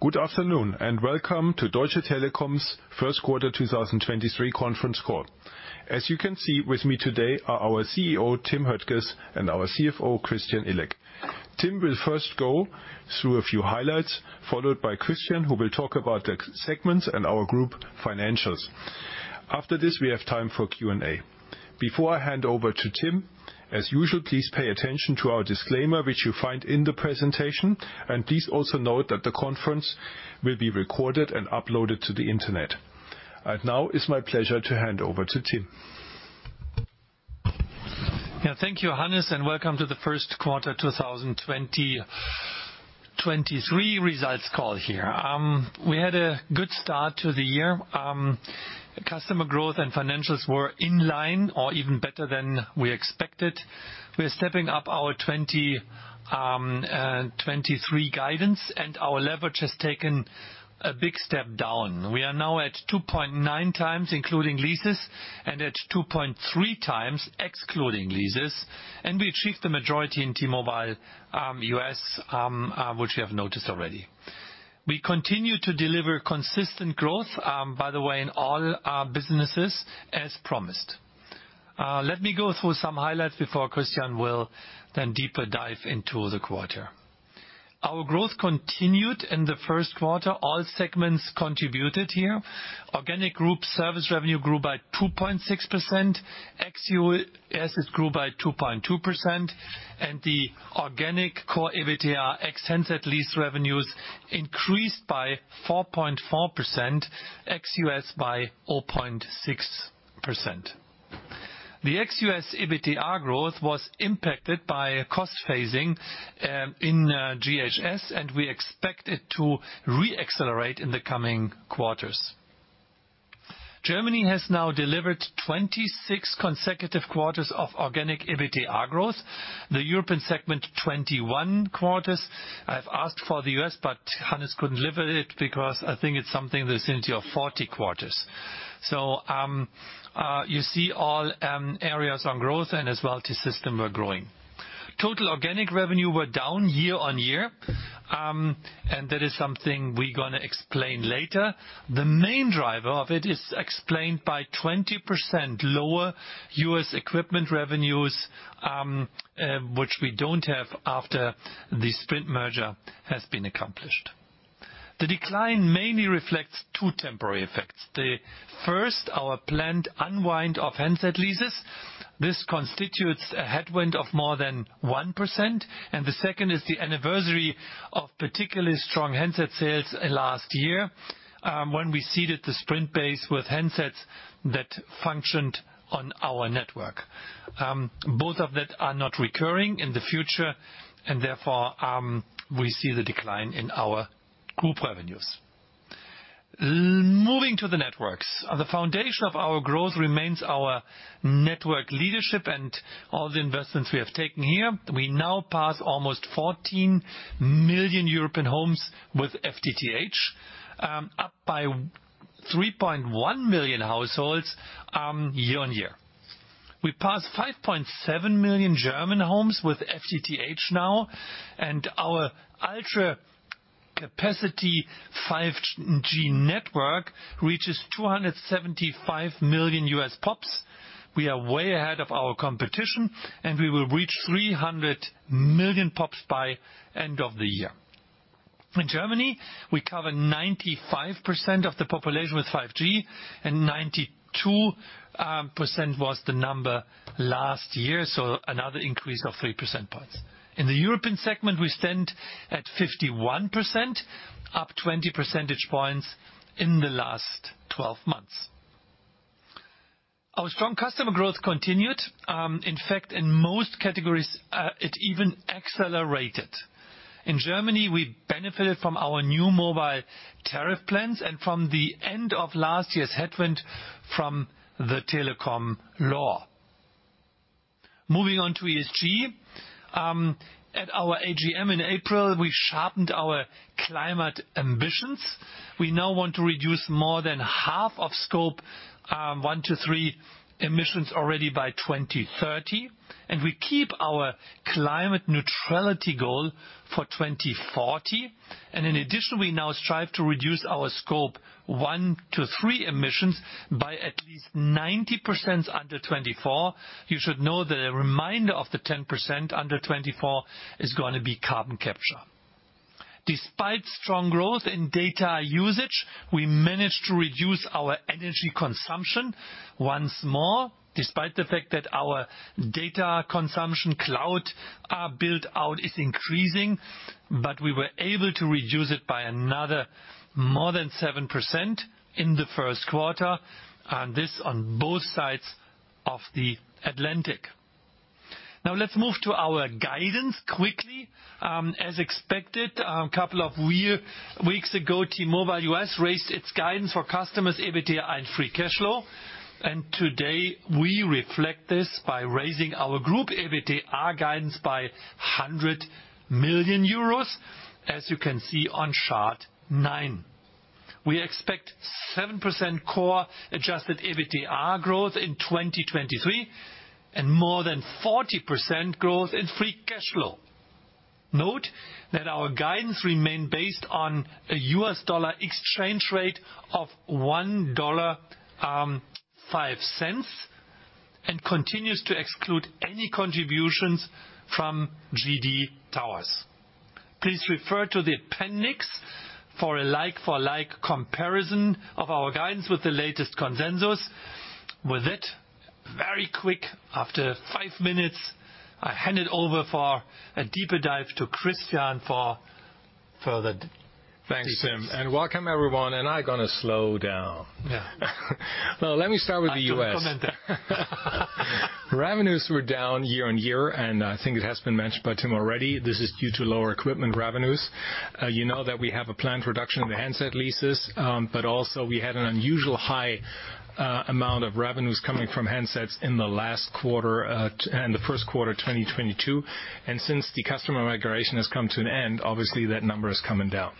Good afternoon, welcome to Deutsche Telekom's first quarter 2023 conference call. As you can see with me today are our CEO, Tim Höttges, and our CFO, Christian Illek. Tim will first go through a few highlights, followed by Christian, who will talk about the segments and our group financials. After this, we have time for Q&A. Before I hand over to Tim, as usual, please pay attention to our disclaimer, which you'll find in the presentation. Please also note that the conference will be recorded and uploaded to the Internet. Now it's my pleasure to hand over to Tim. Thank you, Hannes. Welcome to the first quarter 2023 results call here. We had a good start to the year. Customer growth and financials were in line or even better than we expected. We're stepping up our 2023 guidance. Our leverage has taken a big step down. We are now at 2.9 times including leases, at 2.3 times excluding leases. We achieved the majority in T-Mobile US, which you have noticed already. We continue to deliver consistent growth, by the way, in all our businesses, as promised. Let me go through some highlights before Christian will then deeper dive into the quarter. Our growth continued in the first quarter. All segments contributed here. Organic group service revenue grew by 2.6%. Ex U.S., it grew by 2.2%. The organic core EBITDA, ex handset lease revenues, increased by 4.4%, ex U.S. by 4.6%. The ex U.S. EBITDA growth was impacted by cost phasing in GHS, and we expect it to re-accelerate in the coming quarters. Germany has now delivered 26 consecutive quarters of organic EBITDA growth. The European segment, 21 quarters. I've asked for the U.S., but Hannes couldn't deliver it because I think it's something in the vicinity of 40 quarters. You see all areas on growth and as well T-Systems are growing. Total organic revenue were down year-on-year, and that is something we're gonna explain later. The main driver of it is explained by 20% lower U.S. equipment revenues, which we don't have after the Sprint merger has been accomplished. The decline mainly reflects two temporary effects. The first, our planned unwind of handset leases. This constitutes a headwind of more than 1%. The second is the anniversary of particularly strong handset sales last year, when we seeded the Sprint base with handsets that functioned on our network. Both of that are not recurring in the future and therefore, we see the decline in our group revenues. Moving to the networks. The foundation of our growth remains our network leadership and all the investments we have taken here. We now pass almost 14 million European homes with FTTH, up by 3.1 million households year-on-year. We passed 5.7 million German homes with FTTH now, and our ultra capacity 5G network reaches 275 million U.S. PoPs. We are way ahead of our competition, and we will reach 300 million PoPs by end of the year. In Germany, we cover 95% of the population with 5G, and 92% was the number last year, so another increase of 3 percentage points. In the European segment, we stand at 51%, up 20 percentage points in the last 12 months. Our strong customer growth continued. In fact, in most categories, it even accelerated. In Germany, we benefited from our new mobile tariff plans and from the end of last year's headwind from the telecom law. Moving on to ESG. At our AGM in April, we sharpened our climate ambitions. We now want to reduce more than half of Scope 1-3 emissions already by 2030, and we keep our climate neutrality goal for 2040. In addition, we now strive to reduce our Scope 1-3 emissions by at least 90% under 2024. You should know that a reminder of the 10% under 24 is going to be carbon capture. Despite strong growth in data usage, we managed to reduce our energy consumption once more, despite the fact that our data consumption cloud, our build out is increasing. We were able to reduce it by another more than 7% in the 1st quarter, and this on both sides of the Atlantic. Now let's move to our guidance quickly. As expected, a couple of weeks ago, T-Mobile US raised its guidance for customers' EBITDA and free cash flow. Today, we reflect this by raising our group EBITDA guidance by 100 million euros, as you can see on chart 9. We expect 7% core adjusted EBITDA growth in 2023, and more than 40% growth in free cash flow. Note that our guidance remain based on a US dollar exchange rate of $1.05 and continues to exclude any contributions from GD Towers. Please refer to the appendix for a like-for-like comparison of our guidance with the latest consensus. With that, very quick, after five minutes, I hand it over for a deeper dive to Christian for further details. Thanks, Tim, welcome everyone, I gonna slow down. Yeah. Well, let me start with the US. I do comment there. Revenues were down year-on-year. I think it has been mentioned by Tim already. This is due to lower equipment revenues. You know that we have a planned reduction in the handset leases, but also we had an unusual high amount of revenues coming from handsets in the last quarter and the first quarter 2022. Since the customer migration has come to an end, obviously that number is coming down.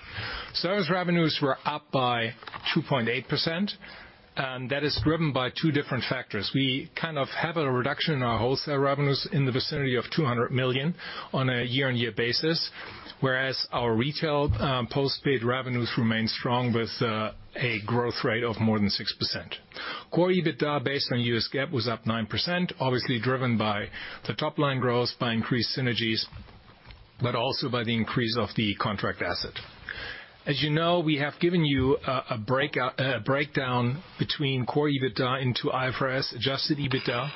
Service revenues were up by 2.8%. That is driven by two different factors. We kind of have a reduction in our wholesale revenues in the vicinity of 200 million on a year-on-year basis, whereas our retail postpaid revenues remain strong with a growth rate of more than 6%. Core EBITDA based on US GAAP was up 9%, obviously driven by the top-line growth by increased synergies, but also by the increase of the contract asset. As you know, we have given you a breakdown between core EBITDA into IFRS, Adjusted EBITDA.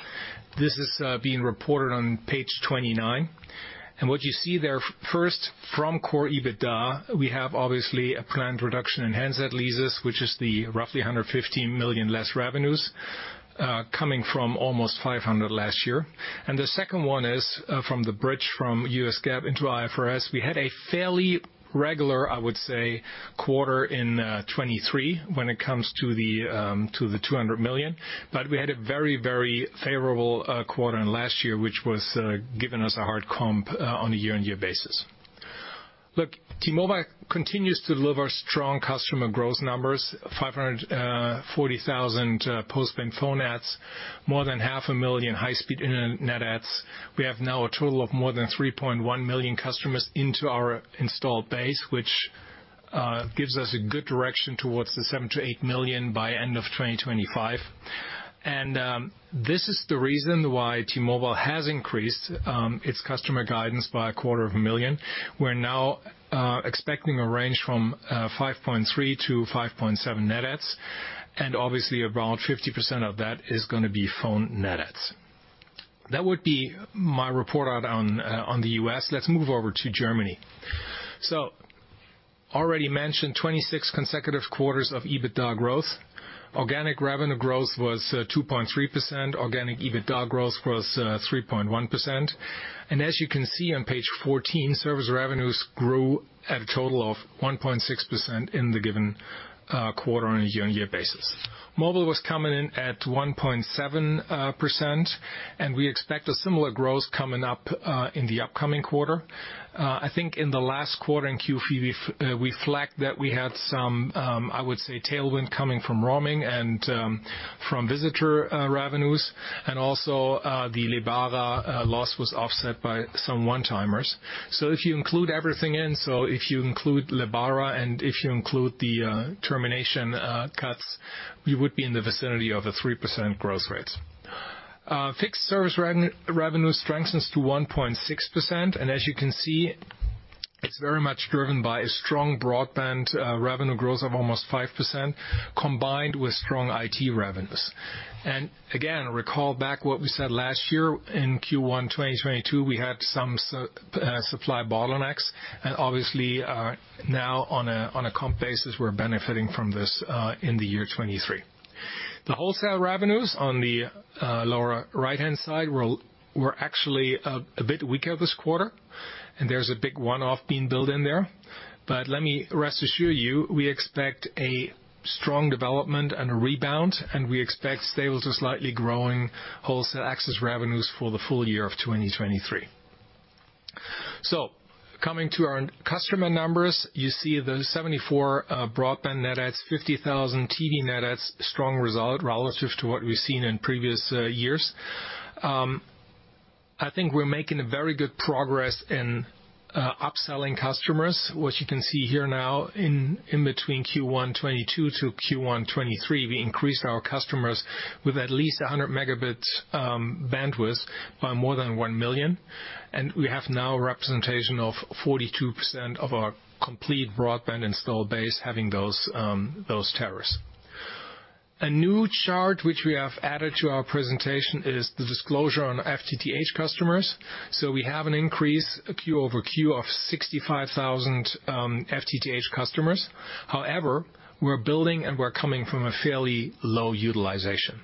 This is being reported on page 29. What you see there, first from core EBITDA, we have obviously a planned reduction in handset leases, which is the roughly 115 million less revenues coming from almost 500 million last year. The second one is from the bridge from US GAAP into IFRS. We had a fairly regular, I would say, quarter in 2023 when it comes to the 200 million. We had a very, very favorable quarter in last year, which was giving us a hard comp on a year-on-year basis. Look, T-Mobile continues to deliver strong customer growth numbers, 540,000 post-paid phone adds, more than half a million high-speed internet adds. We have now a total of more than 3.1 million customers into our installed base, which gives us a good direction towards the 7 million-8 million by end of 2025. This is the reason why T-Mobile has increased its customer guidance by a quarter of a million. We're now expecting a range from 5.3-5.7 net adds, and obviously around 50% of that is gonna be phone net adds. That would be my report out on the U.S. Let's move over to Germany. Already mentioned 26 consecutive quarters of EBITDA growth. Organic revenue growth was 2.3%. Organic EBITDA growth was 3.1%. As you can see on page 14, service revenues grew at a total of 1.6% in the given quarter on a year-on-year basis. Mobile was coming in at 1.7%, and we expect a similar growth coming up in the upcoming quarter. I think in the last quarter, in Q3, we flagged that we had some, I would say, tailwind coming from roaming and from visitor revenues. Also, the Lebara loss was offset by some one-timers. If you include everything in, if you include Lebara and if you include the termination cuts, we would be in the vicinity of a 3% growth rate. Fixed service revenue strengthens to 1.6%, as you can see, it's very much driven by a strong broadband revenue growth of almost 5% combined with strong IT revenues. Again, recall back what we said last year in Q1 2022, we had some supply bottlenecks. Obviously, now on a comp basis, we're benefiting from this in the year 23. The wholesale revenues on the lower right-hand side were actually a bit weaker this quarter, there's a big one-off being built in there. Let me rest assured you, we expect a strong development and a rebound, and we expect stable to slightly growing wholesale access revenues for the full year of 2023. Coming to our customer numbers, you see the 74 broadband net adds, 50,000 TV net adds, strong result relative to what we've seen in previous years. I think we're making a very good progress in upselling customers, which you can see here now in between Q1 2022 to Q1 2023. We increased our customers with at least 100 megabits bandwidth by more than 1 million, and we have now a representation of 42% of our complete broadband installed base having those tariffs. A new chart which we have added to our presentation is the disclosure on FTTH customers. We have an increase Q over Q of 65,000 FTTH customers. However, we're building and we're coming from a fairly low utilization.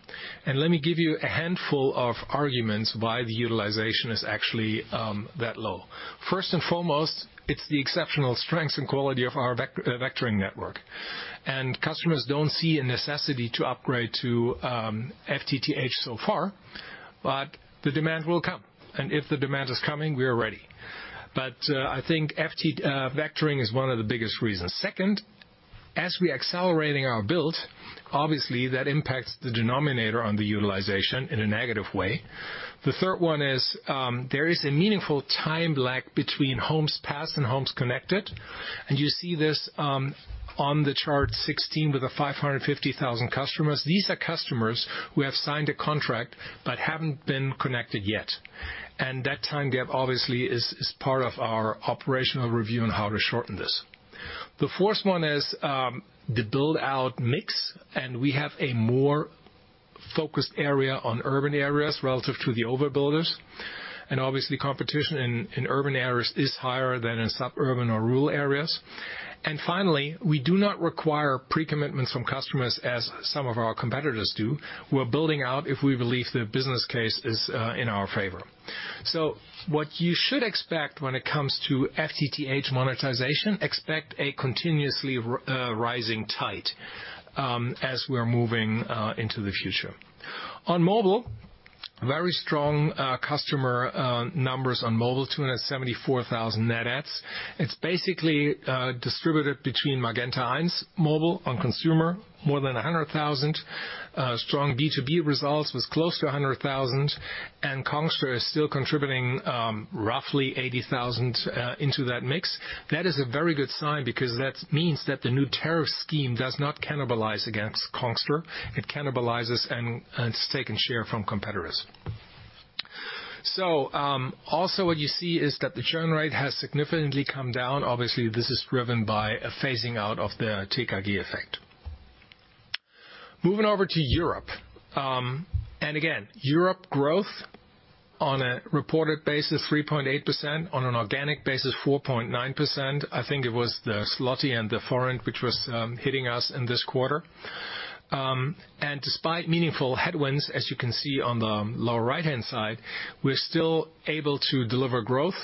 Let me give you a handful of arguments why the utilization is actually that low. First and foremost, it's the exceptional strength and quality of our vectoring network. Customers don't see a necessity to upgrade to FTTH so far, but the demand will come. If the demand is coming, we are ready. I think vectoring is one of the biggest reasons. Second, as we're accelerating our build, obviously that impacts the denominator on the utilization in a negative way. The third one is, there is a meaningful time lag between homes passed and homes connected. You see this on the chart 16 with the 550,000 customers. These are customers who have signed a contract but haven't been connected yet. That time gap obviously is part of our operational review on how to shorten this. The fourth one is the build-out mix, and we have a more focused area on urban areas relative to the overbuilders. Obviously competition in urban areas is higher than in suburban or rural areas. Finally, we do not require pre-commitments from customers as some of our competitors do. We're building out if we believe the business case is in our favor. What you should expect when it comes to FTTH monetization, expect a continuously rising tide as we're moving into the future. On mobile, very strong customer numbers on mobile, 274,000 net adds. It's basically distributed between Magenta 1 mobile on consumer, more than 100,000. Strong B2B results was close to 100,000, and Congstar is still contributing roughly 80,000 into that mix. That is a very good sign because that means that the new tariff scheme does not cannibalize against Congstar. It cannibalizes and it's taking share from competitors. Also what you see is that the churn rate has significantly come down. Obviously, this is driven by a phasing out of the Telekommunikationsgesetz effect. Moving over to Europe. Again, Europe growth on a reported basis 3.8%. On an organic basis, 4.9%. I think it was the zloty and the forint which was hitting us in this quarter. Despite meaningful headwinds, as you can see on the lower right-hand side, we're still able to deliver growth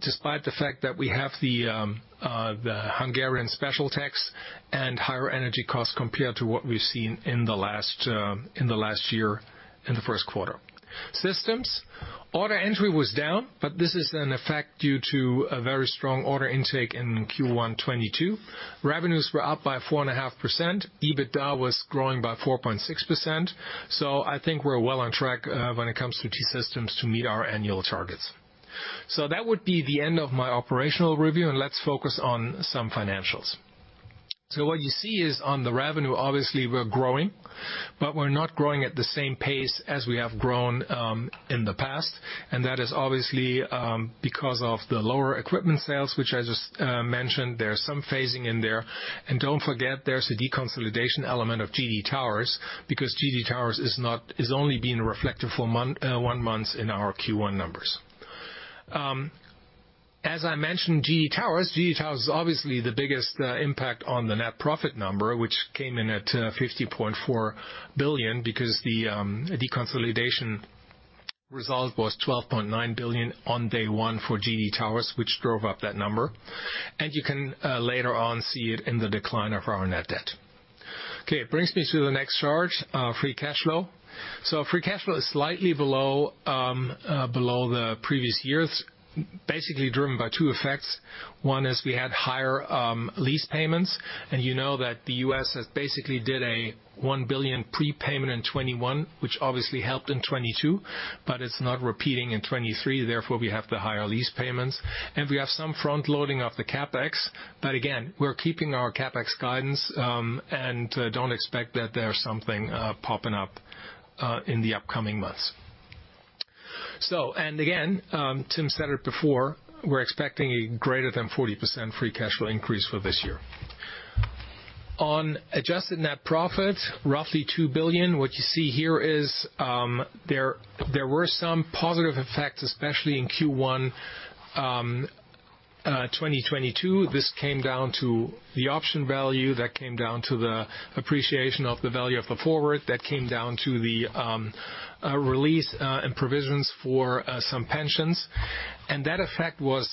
despite the fact that we have the Hungarian special tax and higher energy costs compared to what we've seen in the last year in the first quarter. Systems. Order entry was down, this is an effect due to a very strong order intake in Q1 2022. Revenues were up by 4.5%. EBITDA was growing by 4.6%. I think we're well on track when it comes to T-Systems to meet our annual targets. That would be the end of my operational review, and let's focus on some financials. What you see is on the revenue, obviously we're growing, but we're not growing at the same pace as we have grown in the past. That is obviously because of the lower equipment sales, which I just mentioned. There's some phasing in there. Don't forget, there's a deconsolidation element of GD Towers because GD Towers is only being reflected for 1 month in our Q1 numbers. As I mentioned GD Towers, GD Towers is obviously the biggest impact on the net profit number, which came in at 50.4 billion because the deconsolidation result was 12.9 billion on day 1 for GD Towers, which drove up that number. You can later on see it in the decline of our net debt. It brings me to the next chart, free cash flow. Free cash flow is slightly below below the previous years, basically driven by 2 effects. One is we had higher lease payments, you know that the U.S. has basically did a $1 billion prepayment in 2021, which obviously helped in 2022, but it's not repeating in 2023. Therefore, we have the higher lease payments. We have some front loading of the CapEx, but again, we're keeping our CapEx guidance, don't expect that there's something popping up in the upcoming months. Again, Tim said it before, we're expecting a greater than 40% free cash flow increase for this year. On adjusted net profit, roughly $2 billion. What you see here is, there were some positive effects, especially in Q1 2022. This came down to the option value. That came down to the appreciation of the value of the forward. That came down to the release and provisions for some pensions. That effect was,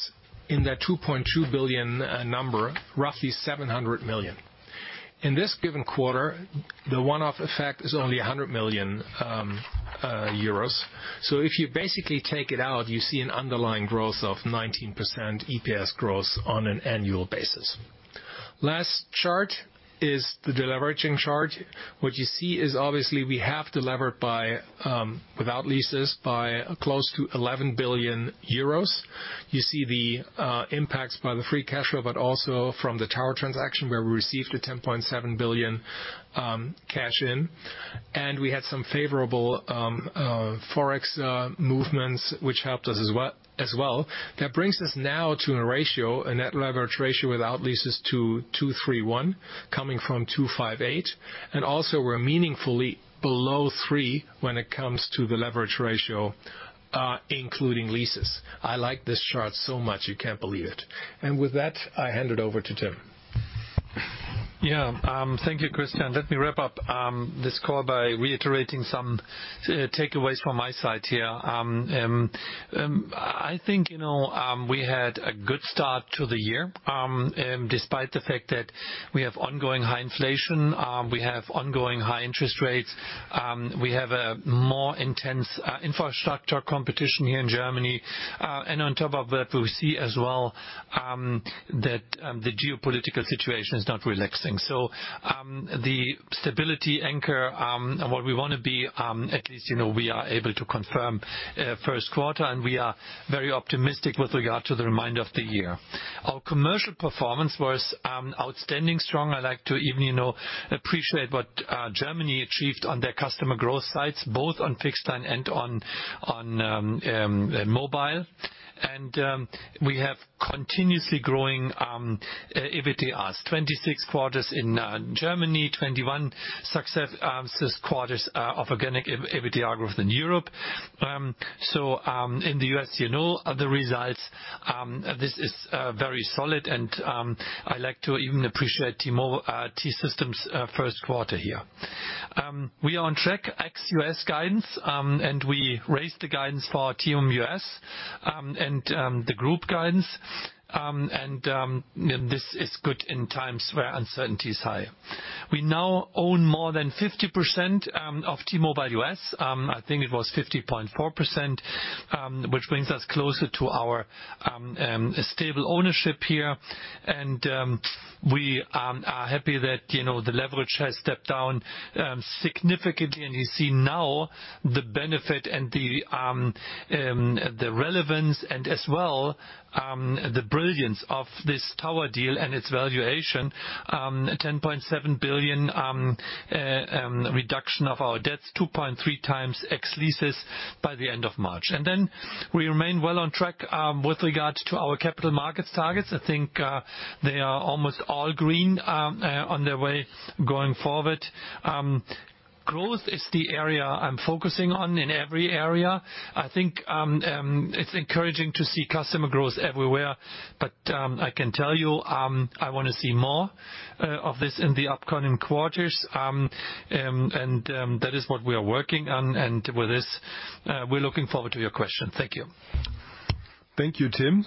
in that 2.2 billion number, roughly 700 million. In this given quarter, the one-off effect is only 100 million euros. If you basically take it out, you see an underlying growth of 19% EPS growth on an annual basis. Last chart is the deleveraging chart. What you see is obviously we have delivered by without leases, by close to 11 billion euros. You see the impacts by the free cash flow, but also from the tower transaction where we received a 10.7 billion cash in. We had some favorable Forex movements which helped us as well. That brings us now to a ratio, a net leverage ratio without leases to 2.31, coming from 2.58. Also we're meaningfully below three when it comes to the leverage ratio, including leases. I like this chart so much, you can't believe it. With that, I hand it over to Tim. Yeah. Thank you, Christian. Let me wrap up this call by reiterating some takeaways from my side here. I think, you know, we had a good start to the year despite the fact that we have ongoing high inflation, we have ongoing high interest rates, we have a more intense infrastructure competition here in Germany, and on top of that, we see as well that the geopolitical situation is not relaxing. The stability anchor, and what we wanna be, at least, you know, we are able to confirm first quarter, and we are very optimistic with regard to the reminder of the year. Our commercial performance was outstanding strong. I like to even, you know, appreciate what Germany achieved on their customer growth sites, both on fixed line and on mobile. We have continuously growing EBITDAs. 26 quarters in Germany, 21 success quarters of organic EBITDA growth in Europe. In the US, you know the results. This is very solid and I like to even appreciate T-Systems' first quarter here. We are on track ex US guidance, and we raised the guidance for TMUS and the group guidance. You know, this is good in times where uncertainty is high. We now own more than 50% of T-Mobile US, I think it was 50.4%, which brings us closer to our stable ownership here. We are happy that, you know, the leverage has stepped down significantly, and you see now the benefit and the relevance and as well the brilliance of this tower deal and its valuation. 10.7 billion reduction of our debts 2.3x ex leases by the end of March. We remain well on track with regards to our capital markets targets. I think they are almost all green on their way going forward. Growth is the area I'm focusing on in every area. I think it's encouraging to see customer growth everywhere, but I can tell you, I wanna see more of this in the upcoming quarters. That is what we are working on. With this, we're looking forward to your question. Thank you. Thank you, Tim.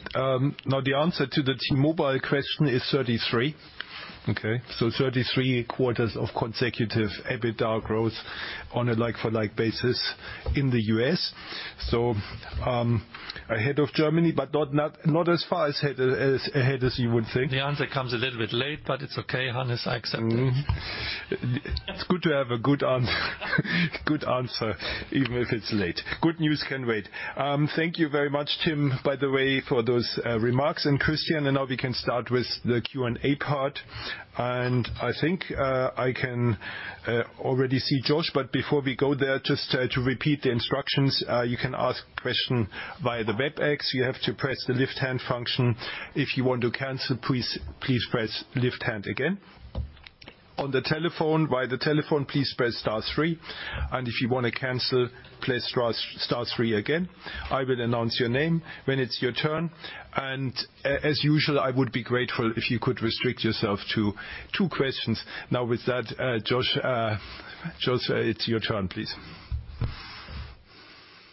Now the answer to the T-Mobile question is 33. Okay? 33 quarters of consecutive EBITDA growth on a like-for-like basis in the US. Ahead of Germany, but not as far as ahead as you would think. The answer comes a little bit late, but it's okay, Hannes, I accept it. It's good to have a good answer, even if it's late. Good news can wait. Thank you very much, Tim, by the way, for those remarks, and Christian. Now we can start with the Q&A part. I think I can already see Josh, but before we go there, just to repeat the instructions, you can ask question via the Webex. You have to press the lift hand function. If you want to cancel, please press lift hand again. On the telephone, via the telephone, please press star 3. If you wanna cancel, press star 3 again. I will announce your name when it's your turn. As usual, I would be grateful if you could restrict yourself to two questions. Now, with that, Josh, it's your turn, please.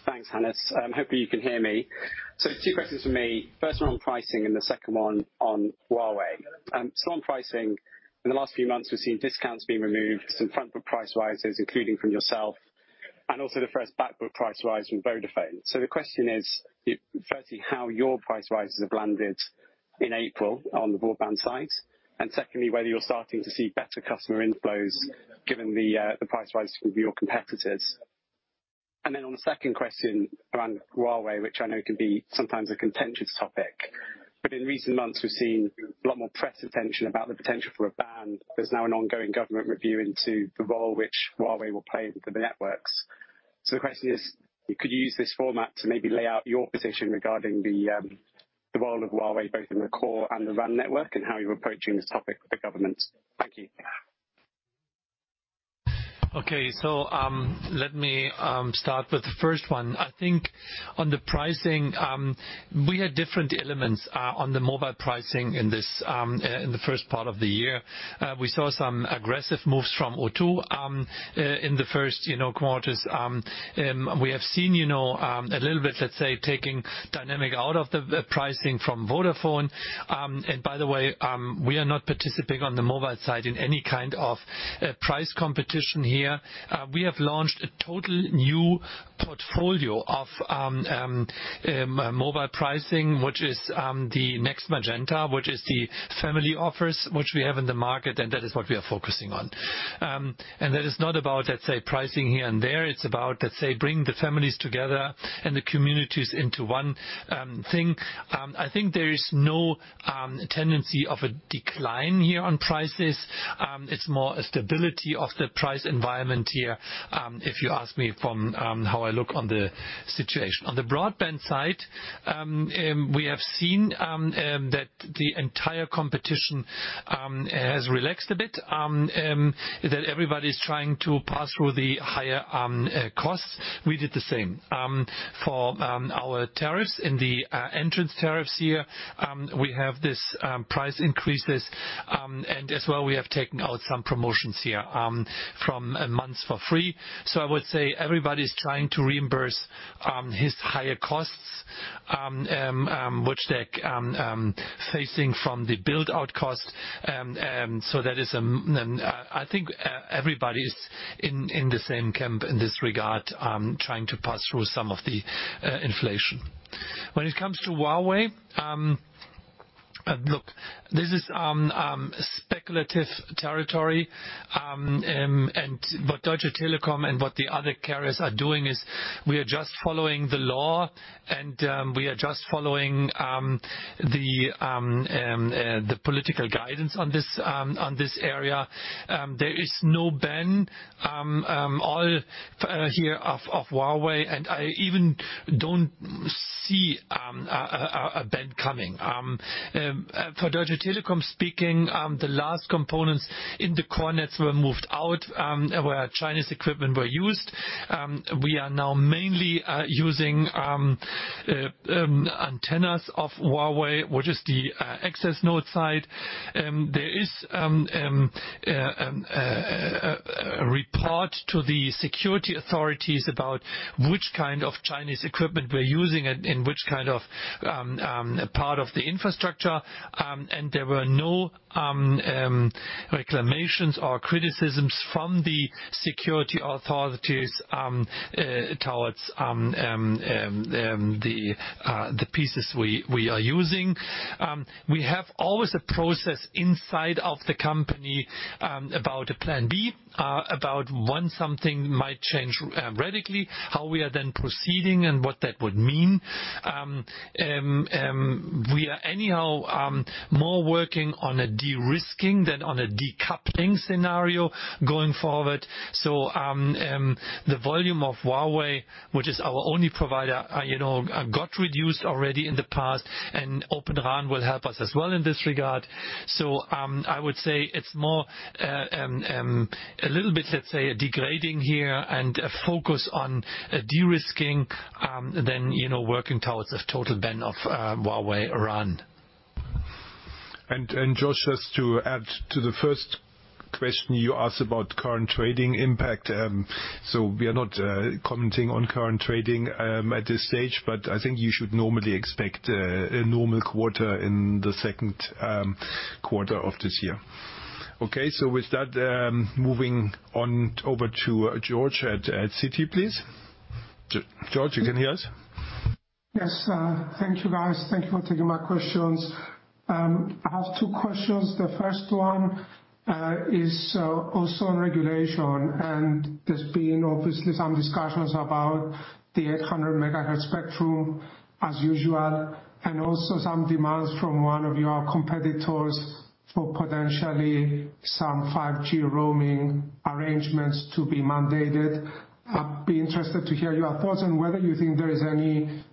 Thanks, Hannes. Hopefully you can hear me. Two questions from me. First one on pricing and the second one on Huawei. On pricing, in the last few months, we've seen discounts being removed, some front book price rises, including from yourself, and also the first back book price rise from Vodafone. The question is, firstly, how your price rises have landed in April on the broadband side, and secondly, whether you're starting to see better customer inflows given the price rises from your competitors. On the second question around Huawei, which I know can be sometimes a contentious topic, but in recent months, we've seen a lot more press attention about the potential for a ban. There's now an ongoing government review into the rol e which Huawei will play into the networks. The question is, you could use this format to maybe lay out your position regarding the role of Huawei both in the core and the RAN network and how you're approaching this topic with the government. Thank you. Okay. let me start with the first one. I think on the pricing, we had different elements on the mobile pricing in this in the first part of the year. We saw some aggressive moves from O2 in the first, you know, quarters. We have seen, you know, a little bit, let's say, taking dynamic out of the pricing from Vodafone. By the way, we are not participating on the mobile side in any kind of price competition here. We have launched a total new portfolio of mobile pricing, which is the next Magenta, which is the family offers which we have in the market, and that is what we are focusing on. That is not about, let's say, pricing here and there. It's about, let's say, bring the families together and the communities into one thing. I think there is no tendency of a decline here on prices. It's more a stability of the price environment here, if you ask me from how I look on the situation. On the broadband side, we have seen that the entire competition has relaxed a bit, that everybody's trying to pass through the higher costs. We did the same. For our tariffs in the entrance tariffs here, we have this price increases, and as well, we have taken out some promotions here from months for free. I would say everybody's trying to reimburse his higher costs, which they're facing from the build-out cost. That is, I think everybody is in the same camp in this regard, trying to pass through some of the inflation. When it comes to Huawei, look, this is speculative territory. What Deutsche Telekom and what the other carriers are doing is we are just following the law and we are just following the political guidance on this area. There is no ban here of Huawei and I even don't see a ban coming. For Deutsche Telekom speaking, the last components in the core nets were moved out where Chinese equipment were used. We are now mainly using antennas of Huawei, which is the access node side. There is a report to the security authorities about which kind of Chinese equipment we're using and which kind of part of the infrastructure. There were no reclamations or criticisms from the security authorities towards the pieces we are using. We have always a process inside of the company about a plan B about when something might change radically, how we are then proceeding and what that would mean. We are anyhow more working on a de-risking than on a decoupling scenario going forward. The volume of Huawei, which is our only provider, you know, got reduced already in the past and Open RAN will help us as well in this regard. I would say it's more a little bit, let's say, a degrading here and a focus on a de-risking, than, you know, working towards a total ban of Huawei RAN. George, just to add to the first question you asked about current trading impact. We are not commenting on current trading at this stage. I think you should normally expect a normal quarter in the second quarter of this year. Okay, with that, moving on over to George at Citi, please. George, you can hear us? Yes. Thank you guys. Thank you for taking my questions. I have two questions. The first one is also on regulation, there's been obviously some discussions about the 800 MH spectrum as usual, also some demands from one of your competitors for potentially some 5G roaming arrangements to be mandated. I'd be interested to hear your thoughts on whether you think there is any,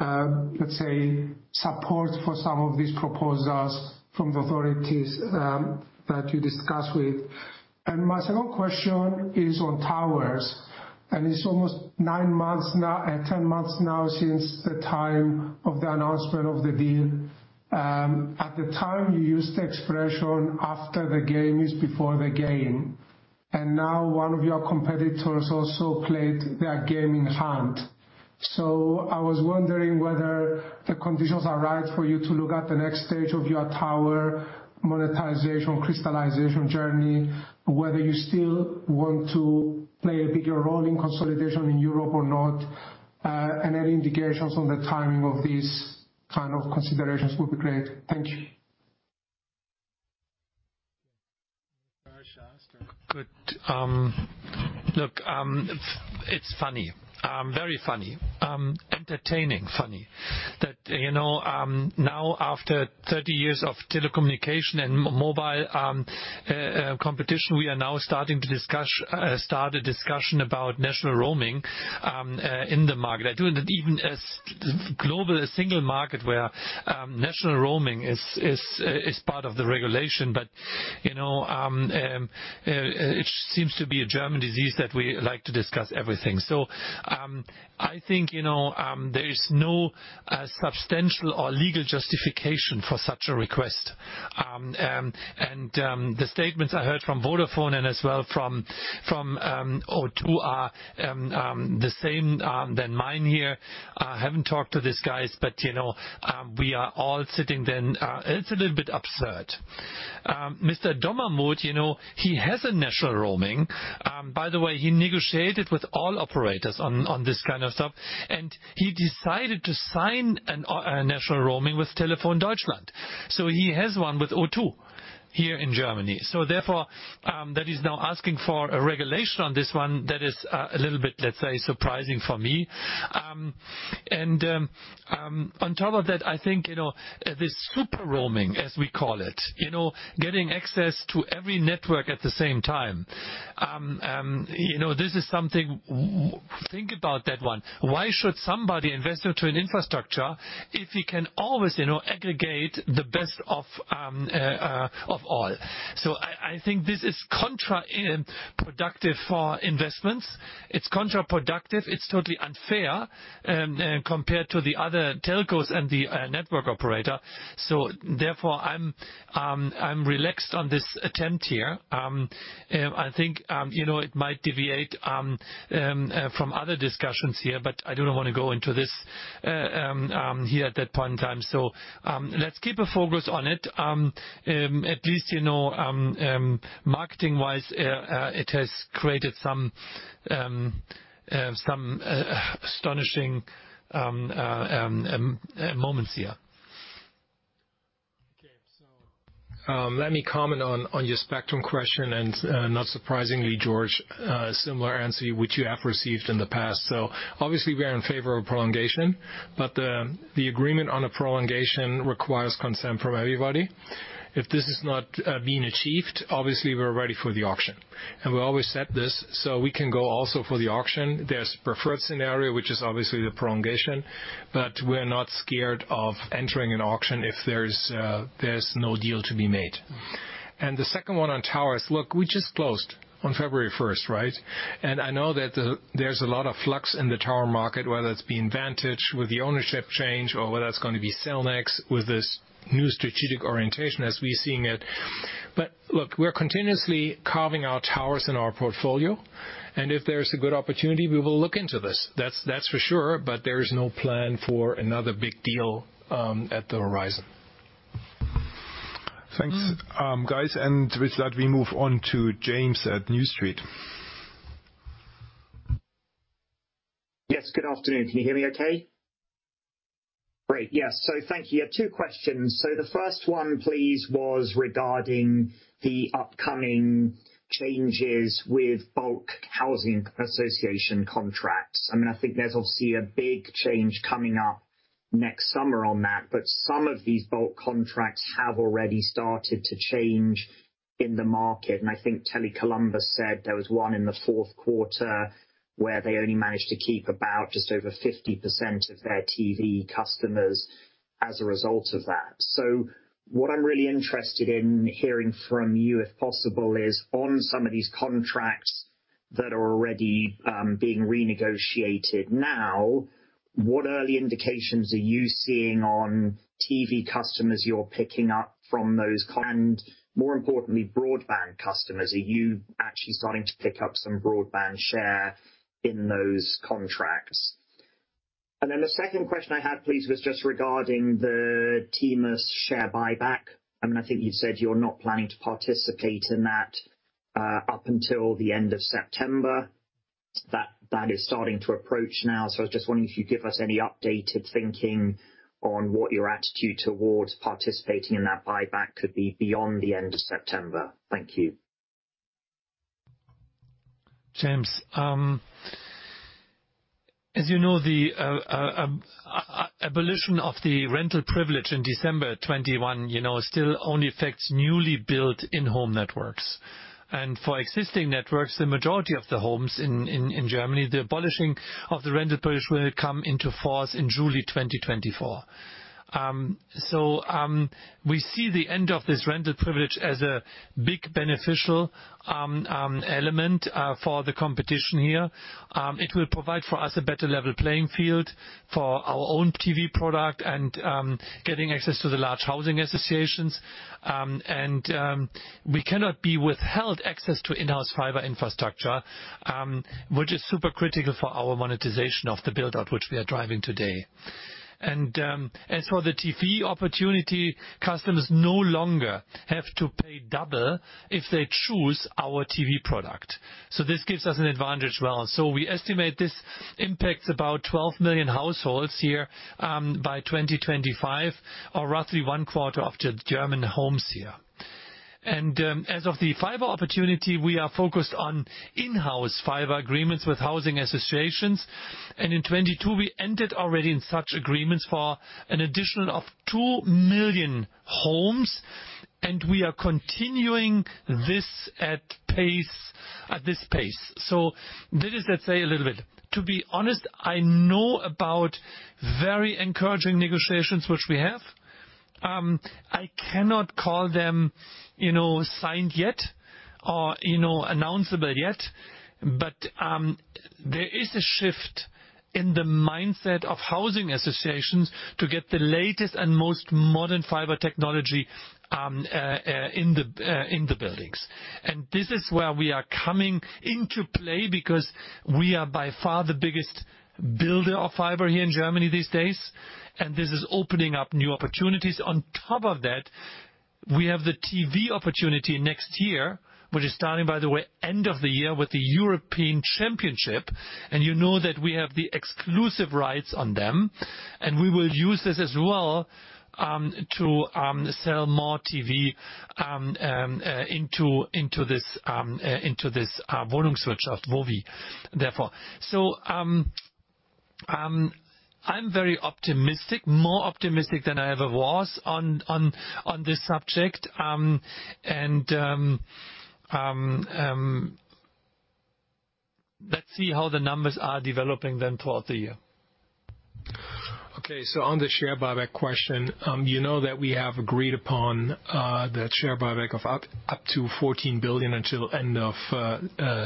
let's say, support for some of these proposals from the authorities that you discuss with. My second question is on towers. It's almost 10 months now since the time of the announcement of the deal. At the time you used the expression, "After the game is before the game." Now one of your competitors also played their game in hand. I was wondering whether the conditions are right for you to look at the next stage of your tower monetization, crystallization journey, whether you still want to play a bigger role in consolidation in Europe or not. And any indications on the timing of these kind of considerations would be great. Thank you. Good. Look, it's funny, very funny, entertaining funny that, you know, now after 30 years of telecommunication and mobile competition, we are now starting to start a discussion about national roaming in the market. I do it even as global, a single market where national roaming is part of the regulation. But, you know, it seems to be a German disease that we like to discuss everything. I think, you know, there is no substantial or legal justification for such a request. And the statements I heard from Vodafone and as well from O2 are the same than mine here I haven't talked to these guys, but, you know, we are all sitting then, it's a little bit absurd. Mr. Dommermuth, you know, he has a national roaming. By the way, he negotiated with all operators on this kind of stuff, and he decided to sign a national roaming with Telefónica Deutschland. He has one with O2 here in Germany. Therefore, that he's now asking for a regulation on this one, that is a little bit, let's say, surprising for me. On top of that, I think, you know, this super roaming, as we call it, you know, getting access to every network at the same time. You know, this is something think about that one. Why should somebody invest into an infrastructure if he can always, you know, aggregate the best of all? I think this is counterproductive for investments. It's counterproductive. It's totally unfair compared to the other telcos and the network operator. Therefore, I'm relaxed on this attempt here. I think, you know, it might deviate from other discussions here, but I do not wanna go into this here at that point in time. Let's keep a focus on it. At least you know, marketing wise, it has created some astonishing moments here. Okay. Let me comment on your spectrum question. Not surprisingly, George, a similar answer which you have received in the past. Obviously we are in favor of prolongation, but the agreement on a prolongation requires consent from everybody. If this is not being achieved, obviously we're ready for the auction, we always set this so we can go also for the auction. There's preferred scenario, which is obviously the prolongation, but we're not scared of entering an auction if there's no deal to be made. The second one on towers. Look, we just closed on February first, right? I know that there's a lot of flux in the tower market, whether it's being Vantage with the ownership change or whether it's going to be Cellnex with this new strategic orientation as we're seeing it. Look, we're continuously carving our towers in our portfolio, and if there's a good opportunity, we will look into this, that's for sure. There is no plan for another big deal, at the horizon. Thanks, guys. With that, we move on to James at New Street. Yes, good afternoon. Can you hear me okay? Great. Yes. Thank you. Yeah, two questions. The first one, please, was regarding the upcoming changes with bulk housing association contracts. I mean, I think there's obviously a big change coming up next summer on that. Some of these bulk contracts have already started to change in the market. I think Tele Columbus said there was one in the fourth quarter where they only managed to keep about just over 50% of their TV customers as a result of that. What I'm really interested in hearing from you, if possible, is on some of these contracts that are already being renegotiated now, what early indications are you seeing on TV customers you're picking up from those, and more importantly, broadband customers? Are you actually starting to pick up some broadband share in those contracts? The second question I had, please, was just regarding the T-Mobile US's share buyback. I mean, I think you said you're not planning to participate in that up until the end of September. That is starting to approach now. I was just wondering if you'd give us any updated thinking on what your attitude towards participating in that buyback could be beyond the end of September. Thank you. As you know, the abolition of the rental privilege in December 2021 still only affects newly built in-home networks. For existing networks, the majority of the homes in Germany, the abolishing of the rental privilege will come into force in July 2024. We see the end of this rental privilege as a big beneficial element for the competition here. It will provide for us a better level playing field for our own TV product and getting access to the large housing associations. We cannot be withheld access to in-house fiber infrastructure, which is super critical for our monetization of the build-out which we are driving today. As for the TV opportunity, customers no longer have to pay double if they choose our TV product. This gives us an advantage as well. We estimate this impacts about 12 million households here by 2025 or roughly one quarter of the German homes here. As of the fiber opportunity, we are focused on in-house fiber agreements with housing associations. In 2022 we ended already in such agreements for an additional of 2 million homes. We are continuing this at pace, at this pace. This is, let's say a little bit. To be honest, I know about very encouraging negotiations which we have. I cannot call them, you know, signed yet or, you know, announceable yet. There is a shift in the mindset of housing associations to get the latest and most modern fiber technology in the buildings. This is where we are coming into play, because we are by far the biggest builder of fiber here in Germany these days. This is opening up new opportunities. On top of that, we have the TV opportunity next year, which is starting, by the way, end of the year with the European Championship. You know that we have the exclusive rights on them and we will use this as well to sell more TV into this volume search of mobile therefore. I'm very optimistic, more optimistic than I ever was on this subject. Let's see how the numbers are developing then throughout the year. Okay. On the share buyback question, you know that we have agreed upon that share buyback of up to 14 billion until end of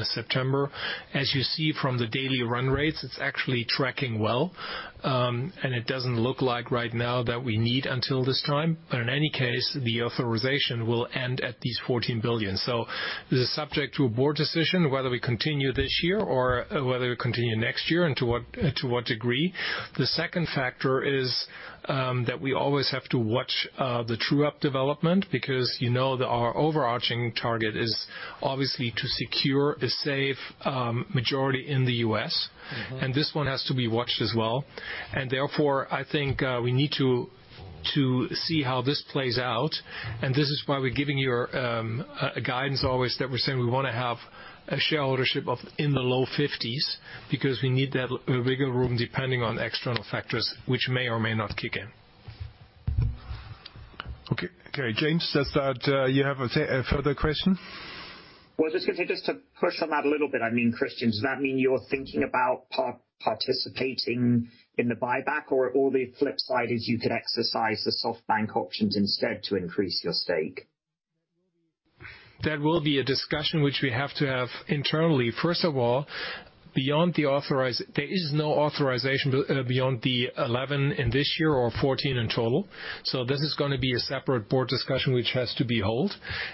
September. As you see from the daily run rates, it's actually tracking well. It doesn't look like right now that we need until this time, but in any case, the authorization will end at these 14 billion. This is subject to a board decision, whether we continue this year or whether we continue next year and to what degree. The second factor is that we always have to watch the true up development because, you know that our overarching target is obviously to secure a safe majority in the U.S., and this one has to be watched as well. Therefore, I think. To see how this plays out, and this is why we're giving you our guidance always that we're saying we wanna have a share ownership of in the low fifties, because we need that bigger room depending on external factors which may or may not kick in. Okay. James, does that, you have a further question? Well, just gonna, just to push on that a little bit. I mean, Christian, does that mean you're thinking about participating in the buyback, or the flip side is you could exercise the SoftBank options instead to increase your stake? That will be a discussion which we have to have internally. First of all, beyond the authorization there is no authorization beyond the 11 in this year or 14 in total. This is going to be a separate board discussion which has to be hold.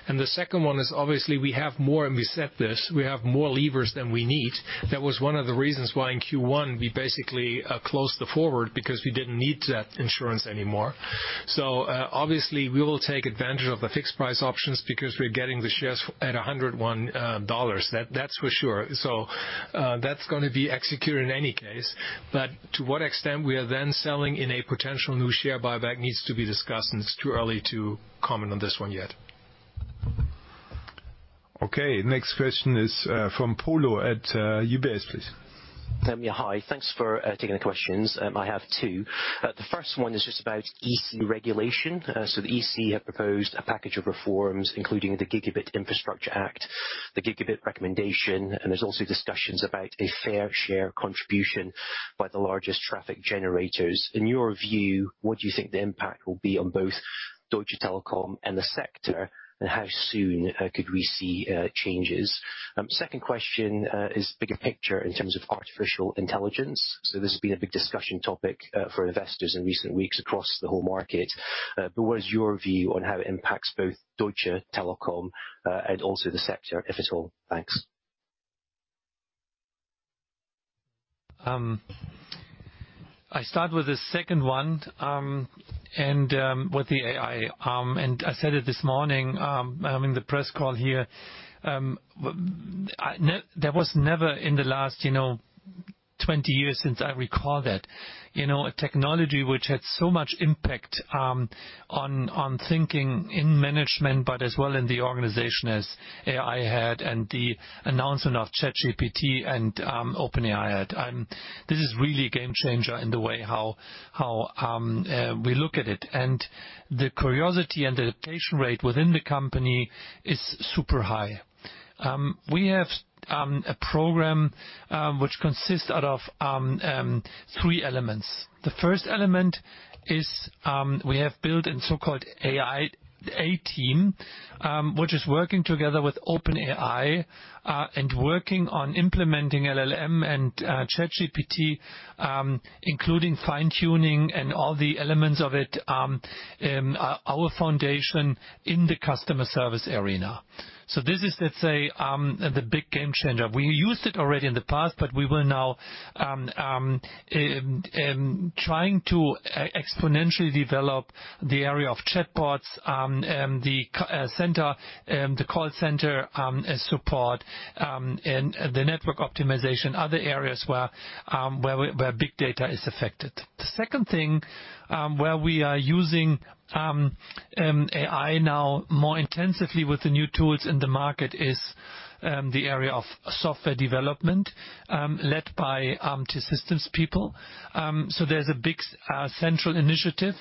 The second one is obviously we have more, and we said this, we have more levers than we need. That was one of the reasons why in Q1, we basically closed the forward because we didn't need that insurance anymore. Obviously we will take advantage of the fixed price options because we're getting the shares at $101. That's for sure. That's going to be executed in any case. To what extent we are then selling in a potential new share buyback needs to be discussed, and it's too early to comment on this one yet. Okay, next question is from Polo at UBS, please. Yeah. Hi. Thanks for taking the questions. I have two. The first one is just about EC regulation. The EC have proposed a package of reforms, including the Gigabit Infrastructure Act, the Gigabit Recommendation, and there's also discussions about a fair share contribution by the largest traffic generators. In your view, what do you think the impact will be on both Deutsche Telekom and the sector, and how soon could we see changes? Second question is bigger picture in terms of artificial intelligence. This has been a big discussion topic for investors in recent weeks across the whole market. What is your view on how it impacts both Deutsche Telekom and also the sector, if at all? Thanks. I start with the second one, with the AI. I said it this morning, having the press call here. There was never in the last, you know, 20 years since I recall that, you know, a technology which had so much impact on thinking in management, but as well in the organization as AI had and the announcement of ChatGPT and OpenAI had. This is really a game changer in the way how we look at it. The curiosity and the adaptation rate within the company is super high. We have a program which consists out of three elements. The first element is, we have built a so-called AI Competence Center, which is working together with OpenAI and working on implementing LLM and ChatGPT, including fine-tuning and all the elements of it, our foundation in the customer service arena. This is, let's say, the big game changer. We used it already in the past, but we will now trying to exponentially develop the area of chatbots, the center, the call center support, and the network optimization, other areas where big data is affected. The second thing, where we are using AI now more intensively with the new tools in the market is the area of software development, led by T-Systems people. There's a big central initiative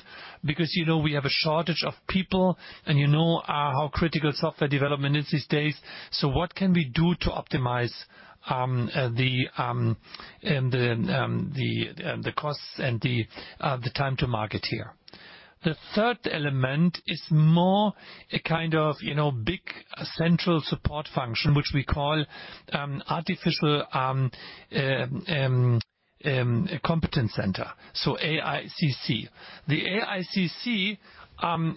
because, you know, we have a shortage of people and you know, how critical software development is these days. What can we do to optimize the costs and the time to market here. The third element is more a kind of, you know, big central support function, which we call AI Competence Center, so AICC. The AICC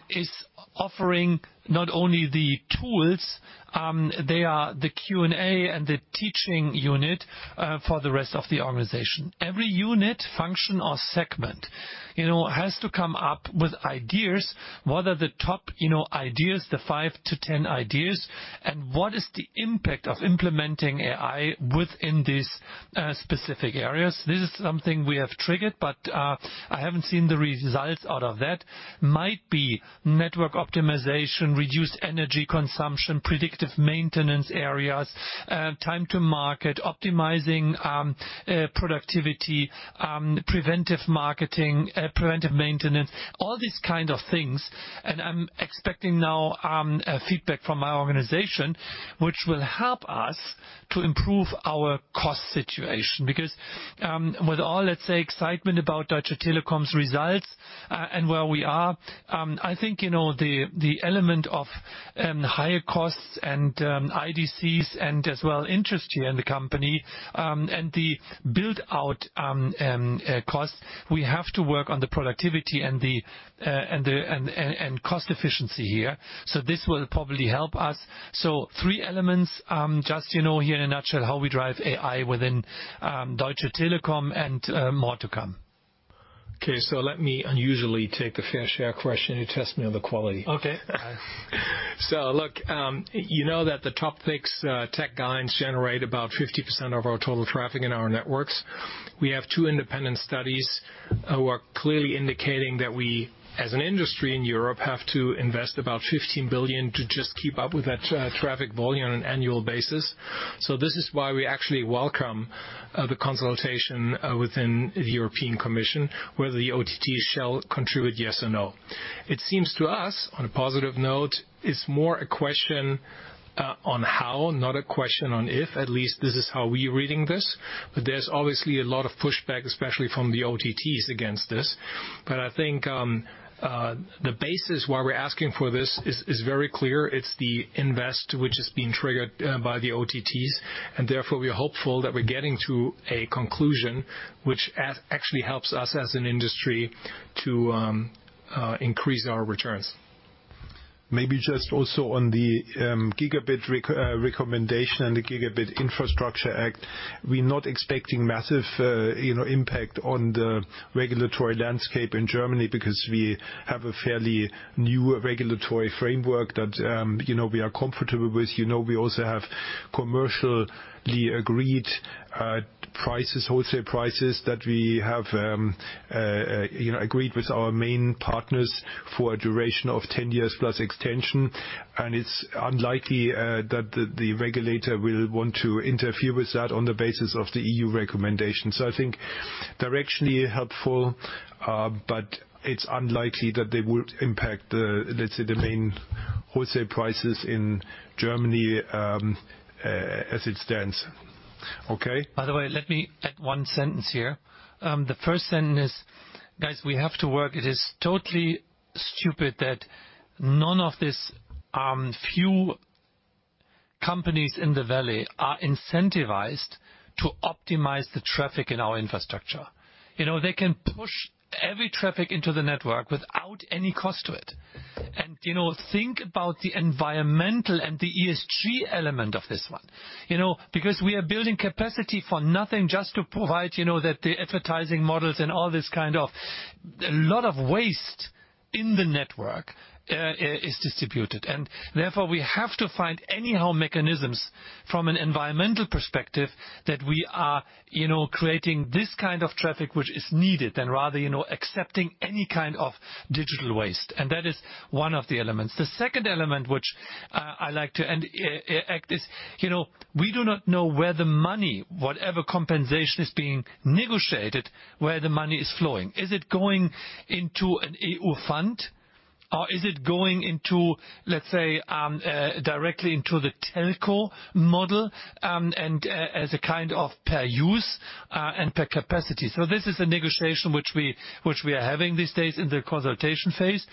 is offering not only the tools, they are the Q&A and the teaching unit for the rest of the organization. Every unit, function, or segment, you know, has to come up with ideas. What are the top, you know, ideas, the 5-10 ideas, and what is the impact of implementing AI within these specific areas? This is something we have triggered, I haven't seen the results out of that. Might be network optimization, reduced energy consumption, predictive maintenance areas, time to market, optimizing productivity, preventive marketing, preventive maintenance, all these kind of things. I'm expecting now feedback from my organization, which will help us to improve our cost situation. With all, let's say, excitement about Deutsche Telekom's results, and where we are, I think, you know, the element of higher costs and IDCs and as well interest here in the company, and the build out costs, we have to work on the productivity and cost efficiency here. This will probably help us. Three elements, just, you know, here in a nutshell, how we drive AI within Deutsche Telekom and more to come. Let me unusually take the fair share question. You test me on the quality. Okay. Look, you know that the top six tech giants generate about 50% of our total traffic in our networks. We have two independent studies who are clearly indicating that we as an industry in Europe, have to invest about 15 billion to just keep up with that traffic volume on an annual basis. This is why we actually welcome the consultation within the European Commission, whether the OTT shall contribute, yes or no. It seems to us, on a positive note, it's more a question on how, not a question on if. At least this is how we reading this. There's obviously a lot of pushback, especially from the OTTs against this. I think the basis why we're asking for this is very clear. It's the invest which is being triggered by the OTTs. Therefore, we are hopeful that we're getting to a conclusion which actually helps us as an industry to increase our returns. Maybe just also on the Gigabit Recommendation and the Gigabit Infrastructure Act, we're not expecting massive, you know, impact on the regulatory landscape in Germany because we have a fairly new regulatory framework that, you know, we are comfortable with. You know, we also have commercially agreed prices, wholesale prices that we have, you know, agreed with our main partners for a duration of 10 years plus extension. It's unlikely that the regulator will want to interfere with that on the basis of the EU recommendation. I think directionally helpful, but it's unlikely that they would impact the, let's say, the main wholesale prices in Germany, as it stands. Okay? By the way, let me add one sentence here. The first sentence is, guys, we have to work. It is totally stupid that none of these, few companies in the valley are incentivized to optimize the traffic in our infrastructure. You know, they can push every traffic into the network without any cost to it. You know, think about the environmental and the ESG element of this one. You know, because we are building capacity for nothing just to provide, you know, that the advertising models and all this kind of. A lot of waste in the network is distributed, and therefore we have to find anyhow mechanisms from an environmental perspective that we are, you know, creating this kind of traffic which is needed and rather, you know, accepting any kind of digital waste. That is one of the elements. The second element which I like to add, is, you know, we do not know where the money, whatever compensation is being negotiated, where the money is flowing. Is it going into an EU fund or is it going into, let's say, directly into the telco model, and as a kind of per use and per capacity? This is a negotiation which we, which we are having these days in the consultation phase.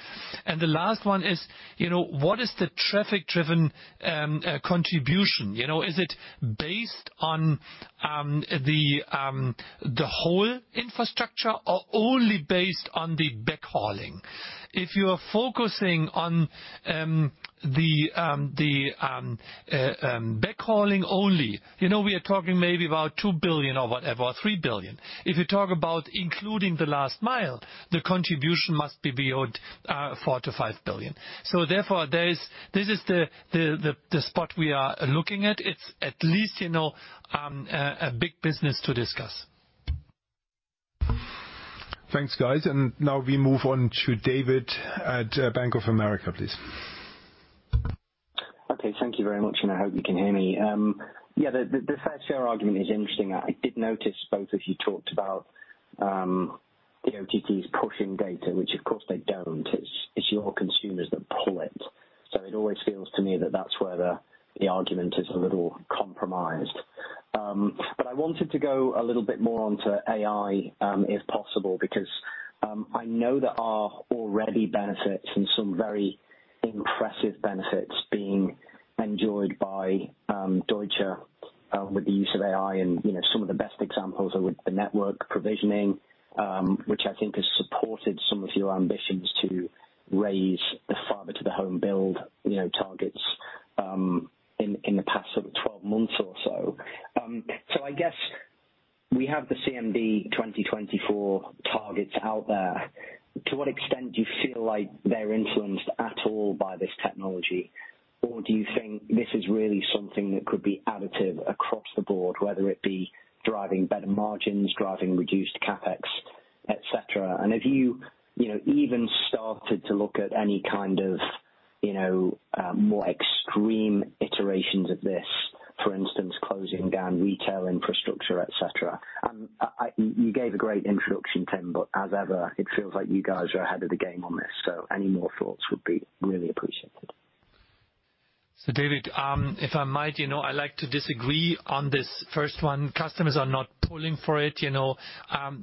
The last one is, you know, what is the traffic-driven contribution? You know, is it based on the whole infrastructure or only based on the backhauling? If you are focusing on the backhauling only, you know, we are talking maybe about 2 billion or whatever, or 3 billion. If you talk about including the last mile, the contribution must be beyond 4 billion-5 billion. Therefore, this is the spot we are looking at. It's at least, you know, a big business to discuss. Thanks, guys. Now we move on to David at Bank of America, please. Okay. Thank you very much, and I hope you can hear me. Yeah, the fair share argument is interesting. I did notice both of you talked about the OTTs pushing data, which of course they don't. It's your consumers that pull it. It always feels to me that that's where the argument is a little compromised. I wanted to go a little bit more onto AI, if possible, because I know there are already benefits and some very impressive benefits being enjoyed by Deutsche with the use of AI and, you know, some of the best examples are with the network provisioning, which I think has supported some of your ambitions to raise the fiber to the home build, you know, targets in the past sort of 12 months or so. I guess we have the CMD 2024 targets out there. To what extent do you feel like they're influenced at all by this technology? Do you think this is really something that could be additive across the board, whether it be driving better margins, driving reduced CapEx, et cetera? Have you know, even started to look at any kind of, you know, more extreme iterations of this, for instance, closing down retail infrastructure, et cetera? You gave a great introduction, Tim, but as ever, it feels like you guys are ahead of the game on this. Any more thoughts would be really appreciated. David, if I might, you know, I like to disagree on this first one. Customers are not pulling for it, you know.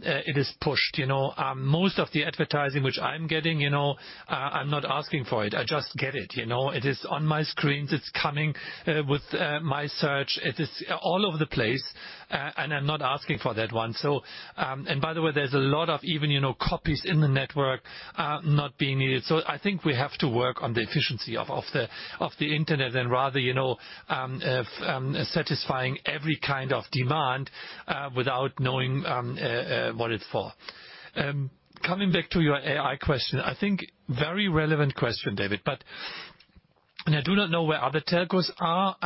It is pushed, you know. Most of the advertising which I'm getting, you know, I'm not asking for it. I just get it, you know. It is on my screens. It's coming with my search. It is all over the place, and I'm not asking for that one. By the way, there's a lot of even, you know, copies in the network, not being needed. I think we have to work on the efficiency of the internet and rather, you know, satisfying every kind of demand, without knowing what it's for. Coming back to your AI question, I think very relevant question, David. I do not know where other telcos are.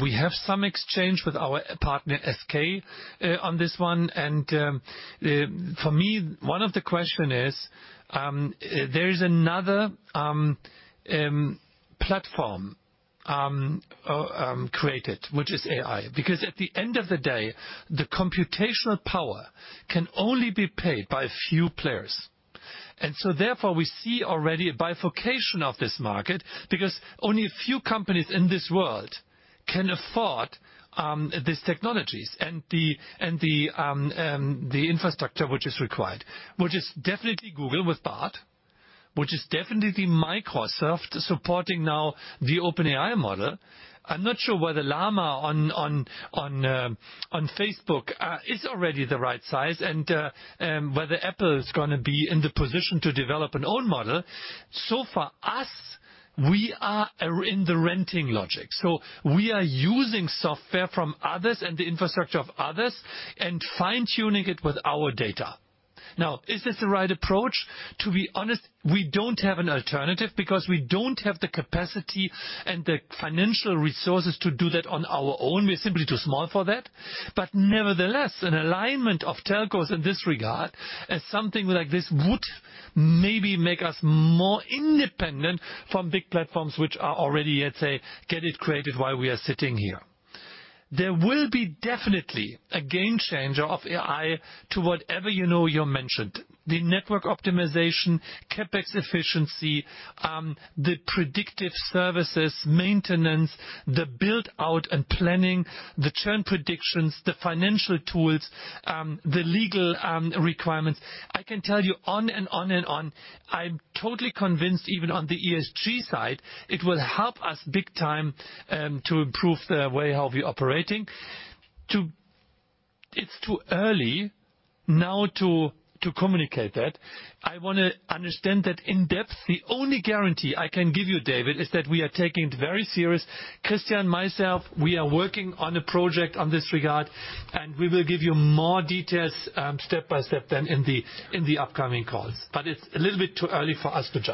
We have some exchange with our partner SK on this one. For me, one of the question is there is another platform created, which is AI. Because at the end of the day, the computational power can only be paid by a few players. Therefore, we see already a bifurcation of this market because only a few companies in this world can afford these technologies and the infrastructure which is required. Which is definitely Google with Bard, which is definitely Microsoft supporting now the OpenAI model. I'm not sure whether Llama on Facebook is already the right size and whether Apple is gonna be in the position to develop an own model. For us, we are in the renting logic. We are using software from others and the infrastructure of others and fine-tuning it with our data. Now, is this the right approach? To be honest, we don't have an alternative because we don't have the capacity and the financial resources to do that on our own. We're simply too small for that. Nevertheless, an alignment of telcos in this regard as something like this would maybe make us more independent from big platforms which are already, let's say, get it created while we are sitting here. There will be definitely a game changer of AI to whatever you know you mentioned. The network optimization, CapEx efficiency, the predictive services, maintenance, the build-out and planning, the churn predictions, the financial tools, the legal requirements. I can tell you on and on and on. I'm totally convinced, even on the ESG side, it will help us big time, to improve the way how we operating. It's too early now to communicate that. I wanna understand that in depth. The only guarantee I can give you, David, is that we are taking it very serious. Christian, myself, we are working on a project on this regard, and we will give you more details, step-by-step then in the upcoming calls. It's a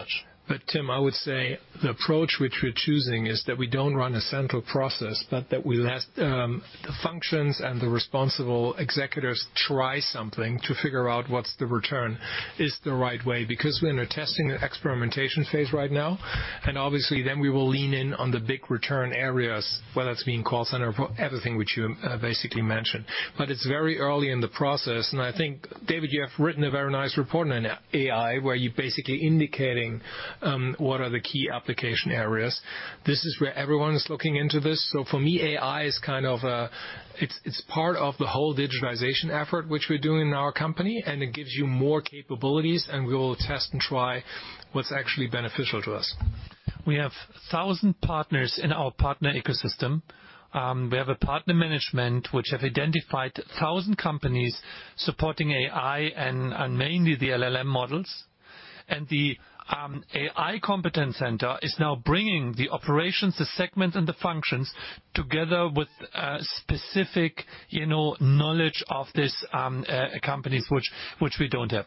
little bit too early for us to judge. Tim, I would say the approach which we're choosing is that we don't run a central process, but that we let the functions and the responsible executors try something to figure out what's the return is the right way. We're in a testing and experimentation phase right now, and obviously then we will lean in on the big return areas, whether it's being call center or everything which you basically mentioned. It's very early in the process. I think, David, you have written a very nice report on AI, where you're basically indicating what are the key application areas. This is where everyone is looking into this. For me, AI is. It's part of the whole digitization effort which we're doing in our company, and it gives you more capabilities, and we will test and try what's actually beneficial to us. We have 1,000 partners in our partner ecosystem. We have a partner management which have identified 1,000 companies supporting AI and mainly the LLM models. The AI Competence Center is now bringing the operations, the segment, and the functions together with specific, you know, knowledge of these companies which we don't have.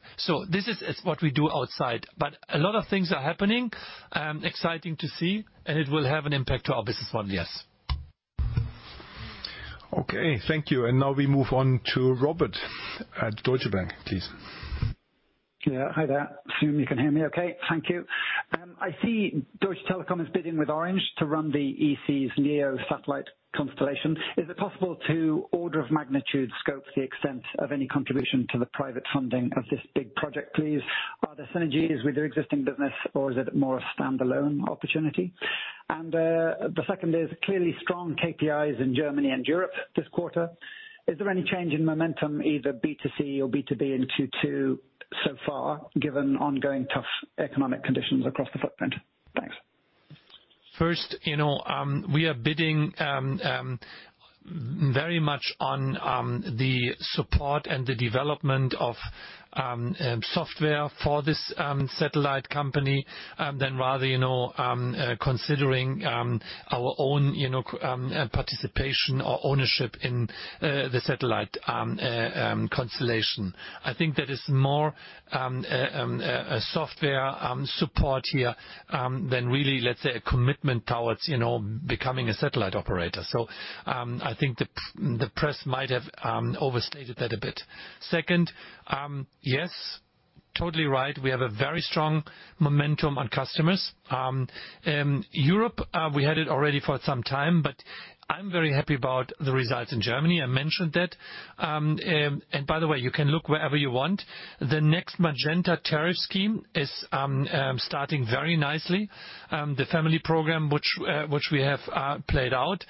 This is what we do outside. A lot of things are happening, exciting to see, and it will have an impact to our business model, yes. Okay, thank you. Now we move on to Robert at Deutsche Bank, please. Yeah, hi there. Assume you can hear me okay. Thank you. I see Deutsche Telekom is bidding with Orange to run the EC's IRIS² satellite constellation. Is it possible to order of magnitude scope the extent of any contribution to the private funding of this big project, please? Are there synergies with your existing business or is it more a standalone opportunity? The second is, clearly strong KPIs in Germany and Europe this quarter. Is there any change in momentum either B2C or B2B in Q2 so far, given ongoing tough economic conditions across the footprint? Thanks. First, you know, we are bidding very much on the support and the development of software for this satellite company than rather, you know, considering our own, you know, participation or ownership in the satellite constellation. I think there is more software support here than really, let’s say, a commitment towards, you know, becoming a satellite operator. I think the press might have overstated that a bit. Second, yes, totally right. We have a very strong momentum on customers. Europe, we had it already for some time, but I'm very happy about the results in Germany. I mentioned that. By the way, you can look wherever you want. The next Magenta tariff scheme is starting very nicely. The family program which we have played out.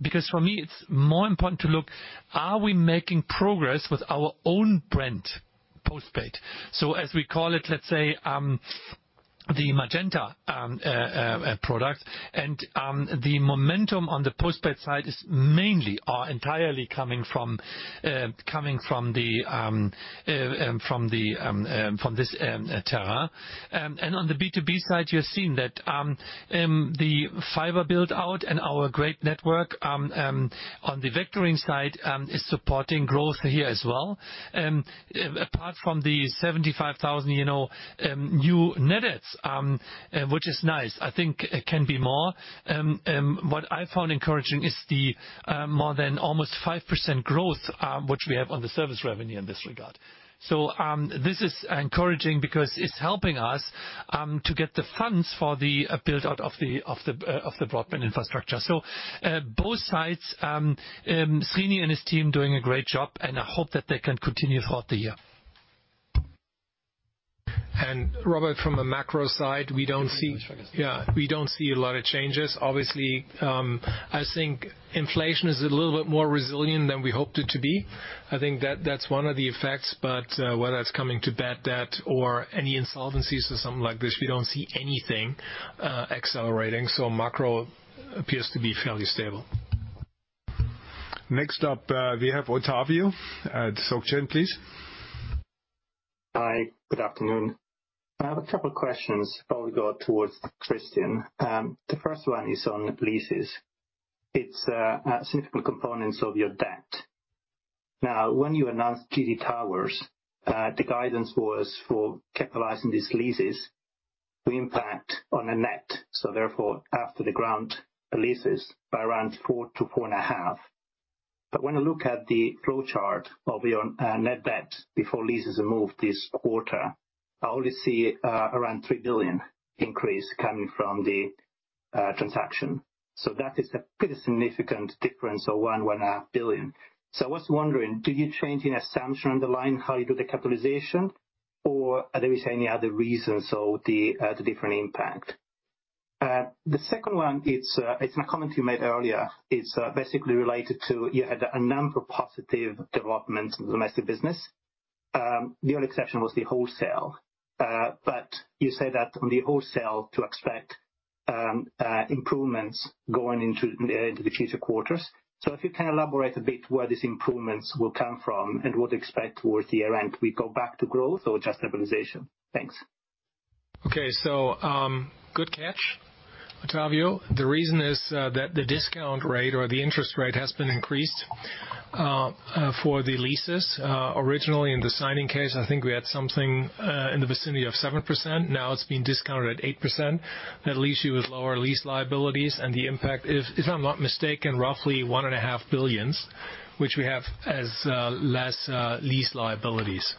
Because for me, it's more important to look, are we making progress with our own brand postpaid? As we call it, let's say, The Magenta product and the momentum on the postpaid side is mainly or entirely coming from this tarrif. On the B2B side, you're seeing that the fiber build out and our great network on the Vectoring side is supporting growth here as well. Apart from the 75,000, you know, new net adds, which is nice, I think it can be more. What I found encouraging is the more than almost 5% growth, which we have on the service revenue in this regard. This is encouraging because it's helping us to get the funds for the build out of the broadband infrastructure. Both sides, Srini and his team doing a great job, and I hope that they can continue throughout the year. Robert, from a macro side, we don't see a lot of changes. Obviously, I think inflation is a little bit more resilient than we hoped it to be. I think that's one of the effects. Whether it's coming to bad debt or any insolvencies or something like this, we don't see anything accelerating. Macro appears to be fairly stable. Next up, we have Ottavio at Société Générale, please. Hi, good afternoon. I have a couple of questions before we go towards Christian. The first one is on leases. It's a significant components of your debt. Now, when you announced GD Towers, the guidance was for capitalizing these leases to impact on a net, so therefore, after the ground leases by around 4 billion-4.5 billion. But when I look at the flow chart of your net debt before leases removed this quarter, I only see around 3 billion increase coming from the transaction. That is a pretty significant difference of 1.5 billion. I was wondering, do you change any assumption underlying how you do the capitalization? Are there any other reasons or the different impact? The second one, it's in a comment you made earlier. It's basically related to you had a number of positive developments in domestic business. The only exception was the wholesale. You say that on the wholesale to expect improvements going into the future quarters. If you can elaborate a bit where these improvements will come from and what to expect towards the year-end. We go back to growth or just stabilization? Thanks. Okay. good catch, Ottavio. The reason is that the discount rate or the interest rate has been increased for the leases. Originally in the signing case, I think we had something in the vicinity of 7%. Now it's been discounted at 8%. That leaves you with lower lease liabilities, and the impact is, if I'm not mistaken, roughly 1.5 billion, which we have as less lease liabilities.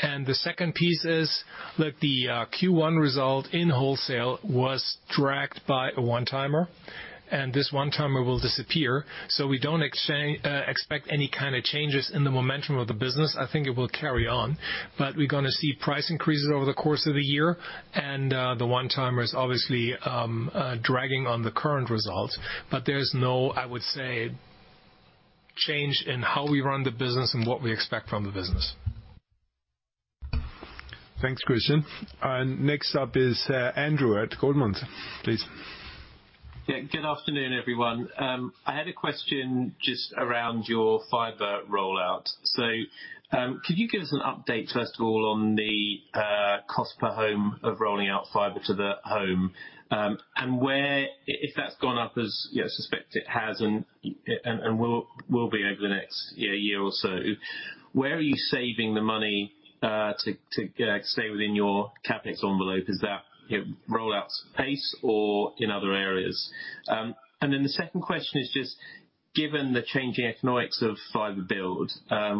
The second piece is that the Q1 result in wholesale was dragged by a one-timer, and this one-timer will disappear. We don't expect any kinda changes in the momentum of the business. I think it will carry on. We're gonna see price increases over the course of the year. The one-timer is obviously dragging on the current results. There's no, I would say, change in how we run the business and what we expect from the business. Thanks, Christian. Next up is Andrew at Goldman, please. Good afternoon, everyone. I had a question just around your fiber rollout. Could you give us an update, first of all, on the cost per home of rolling out fiber to the home? Where If that's gone up as, you know, I suspect it has and will be over the next year or so, where are you saving the money to say, within your CapEx envelope? Is that, you know, roll out pace or in other areas? The second question is just, given the changing economics of fiber build,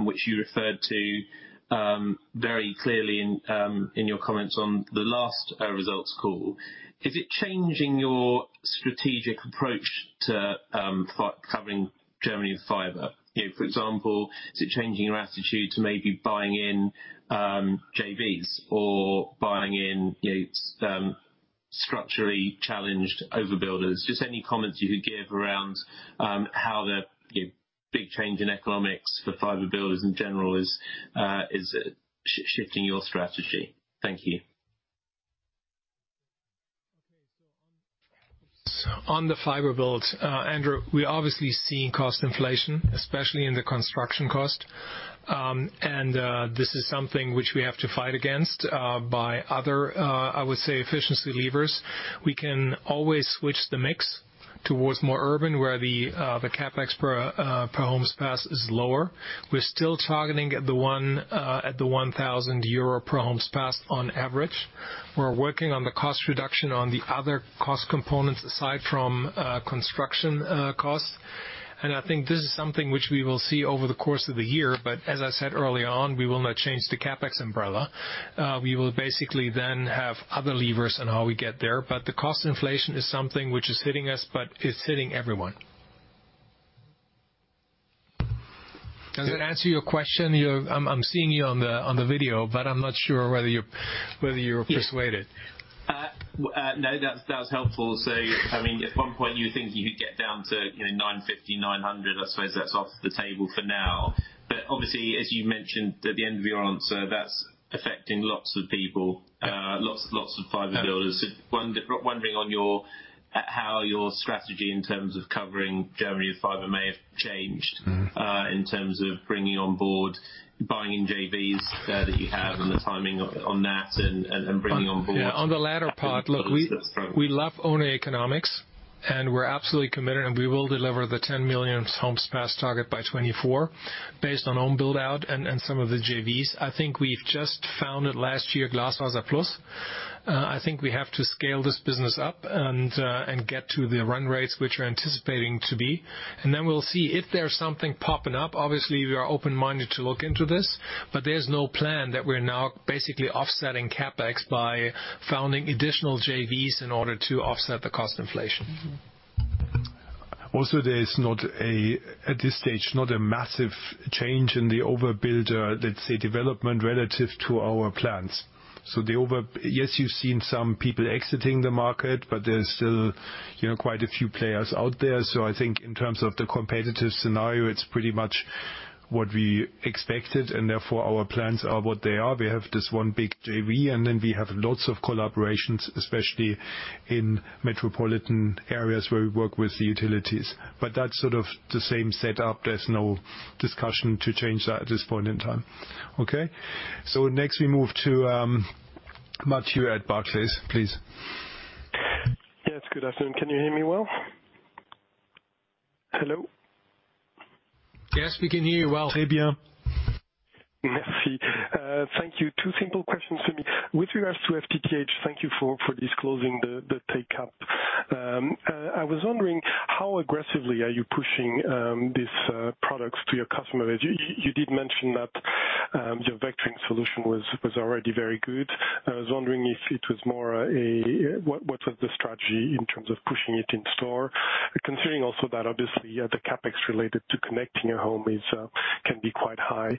which you referred to very clearly in your comments on the last results call, is it changing your strategic approach to covering Germany with fiber? You know, for example, is it changing your attitude to maybe buying in JVs or buying in, you know, structurally challenged overbuilders? Just any comments you could give around how the, you know, big change in economics for fiber builders in general is shifting your strategy. Thank you. On the fiber build, Andrew, we're obviously seeing cost inflation, especially in the construction cost. This is something which we have to fight against by other, I would say, efficiency levers. We can always switch the mix towards more urban where the CapEx per homes passed is lower. We're still targeting at the 1,000 euro per homes passed on average. We're working on the cost reduction on the other cost components aside from construction costs. I think this is something which we will see over the course of the year. As I said early on, we will not change the CapEx umbrella. We will basically have other levers on how we get there. The cost inflation is something which is hitting us, but it's hitting everyone. Does that answer your question? I'm seeing you on the video, but I'm not sure whether you're persuaded. no, that's helpful. I mean, at one point you were thinking you could get down to, you know, 950, 900. I suppose that's off the table for now. obviously, as you mentioned at the end of your answer, that's affecting lots of people, lots of fiber builders. Wondering on your, how your strategy in terms of covering Germany fiber may have changed. Mm-hmm. in terms of bringing on board, buying in JVs that you have and the timing on that and bringing on board... Yeah. On the latter part, look, we love owner economics, and we're absolutely committed, and we will deliver the 10 million homes passed target by 2024 based on home build-out and some of the JVs. I think we've just founded last year GlasfaserPlus. I think we have to scale this business up and get to the run rates which we're anticipating to be. We'll see if there's something popping up. Obviously, we are open-minded to look into this. There's no plan that we're now basically offsetting CapEx by founding additional JVs in order to offset the cost inflation. Mm-hmm. There's not a, at this stage, not a massive change in the overbuild, let's say development relative to our plans. Yes, you've seen some people exiting the market, but there's still, you know, quite a few players out there. I think in terms of the competitive scenario, it's pretty much what we expected and therefore our plans are what they are. We have this one big JV, and then we have lots of collaborations, especially in metropolitan areas where we work with the utilities. That's sort of the same setup. There's no discussion to change that at this point in time. Next we move to Mathieu at Barclays, please. Yes, good afternoon. Can you hear me well? Hello? Yes, we can hear you well. Merci. Thank you. Two simple questions for me. With regards to FTTH, thank you for disclosing the take-up. I was wondering how aggressively are you pushing these products to your customers? You did mention that your Vectoring solution was already very good. I was wondering if it was more What was the strategy in terms of pushing it in store? Considering also that obviously the CapEx related to connecting a home is can be quite high.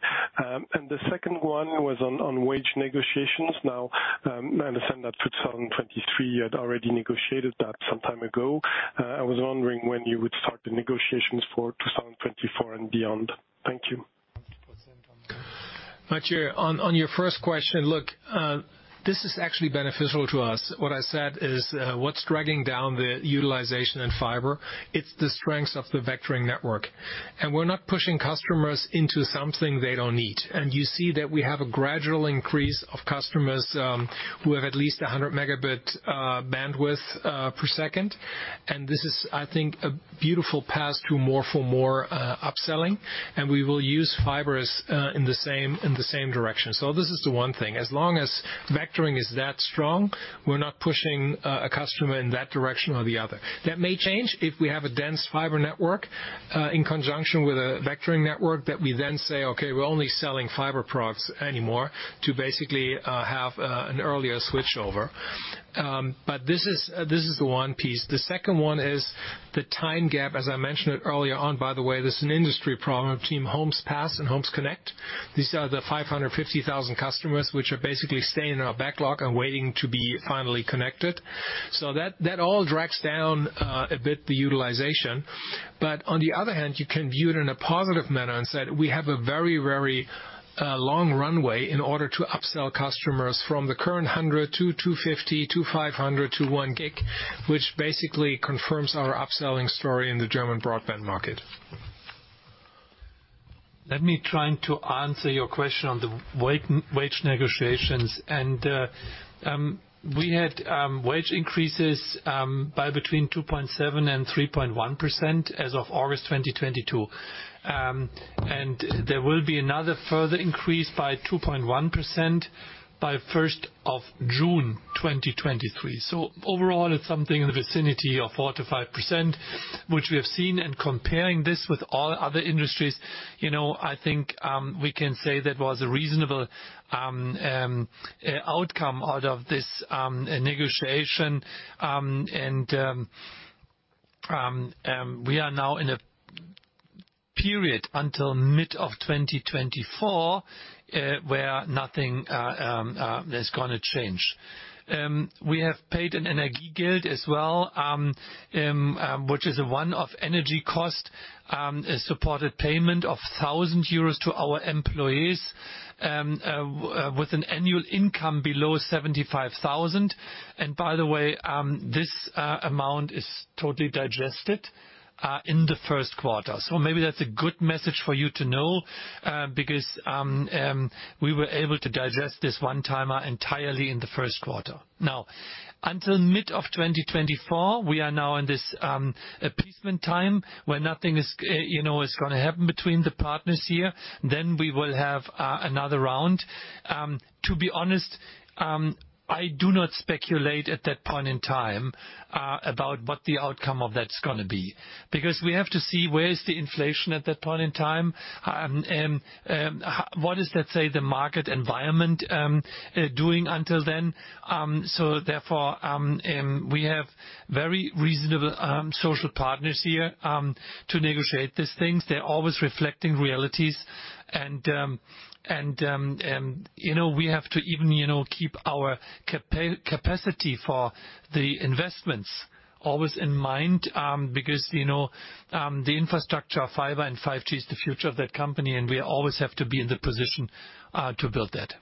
The second one was on wage negotiations. Now, I understand that for 2023, you had already negotiated that some time ago. I was wondering when you would start the negotiations for 2024 and beyond. Thank you. Mathieu, on your first question, look, this is actually beneficial to us. What I said is, what's dragging down the utilization in fiber, it's the strength of the Vectoring network. We're not pushing customers into something they don't need. You see that we have a gradual increase of customers, who have at least 100 megabit bandwidth per second. This is, I think, a beautiful path to more for more upselling. We will use fiber as in the same direction. This is the one thing. As long as Vectoring is that strong, we're not pushing a customer in that direction or the other. That may change if we have a dense fiber network, in conjunction with a Vectoring network that we then say, "Okay, we're only selling fiber products anymore," to basically have an earlier switchover. This is the one piece. The second one is the time gap, as I mentioned it earlier on, by the way. There's an industry problem between homes passed and homes connect. These are the 550,000 customers which are basically staying in our backlog and waiting to be finally connected. That all drags down a bit the utilization. On the other hand, you can view it in a positive manner and say we have a very, very long runway in order to upsell customers from the current 100-250-500-1 gig, which basically confirms our upselling story in the German broadband market. Let me try to answer your question on the wage negotiations. We had wage increases by between 2.7% and 3.1% as of August 2022. There will be another further increase by 2.1% by first of June 2023. Overall, it's something in the vicinity of 4-5%, which we have seen, and comparing this with all other industries, you know, I think we can say that was a reasonable outcome out of this negotiation. We are now in a period until mid of 2024, where nothing is gonna change. We have paid an Energiegeld as well, which is a one-off energy cost, a supported payment of 1,000 euros to our employees with an annual income below 75,000. By the way, this amount is totally digested in the first quarter. Maybe that's a good message for you to know, because we were able to digest this one-timer entirely in the first quarter. Until mid of 2024, we are now in this appeasement time where nothing is, you know, is gonna happen between the partners here. We will have another round. To be honest, I do not speculate at that point in time about what the outcome of that's gonna be. We have to see where is the inflation at that point in time. What is, let's say, the market environment doing until then. Therefore, we have very reasonable social partners here to negotiate these things. They're always reflecting realities. You know, we have to even, you know, keep our capacity for the investments always in mind because, you know, the infrastructure of fiber and 5G is the future of that company, and we always have to be in the position to build that.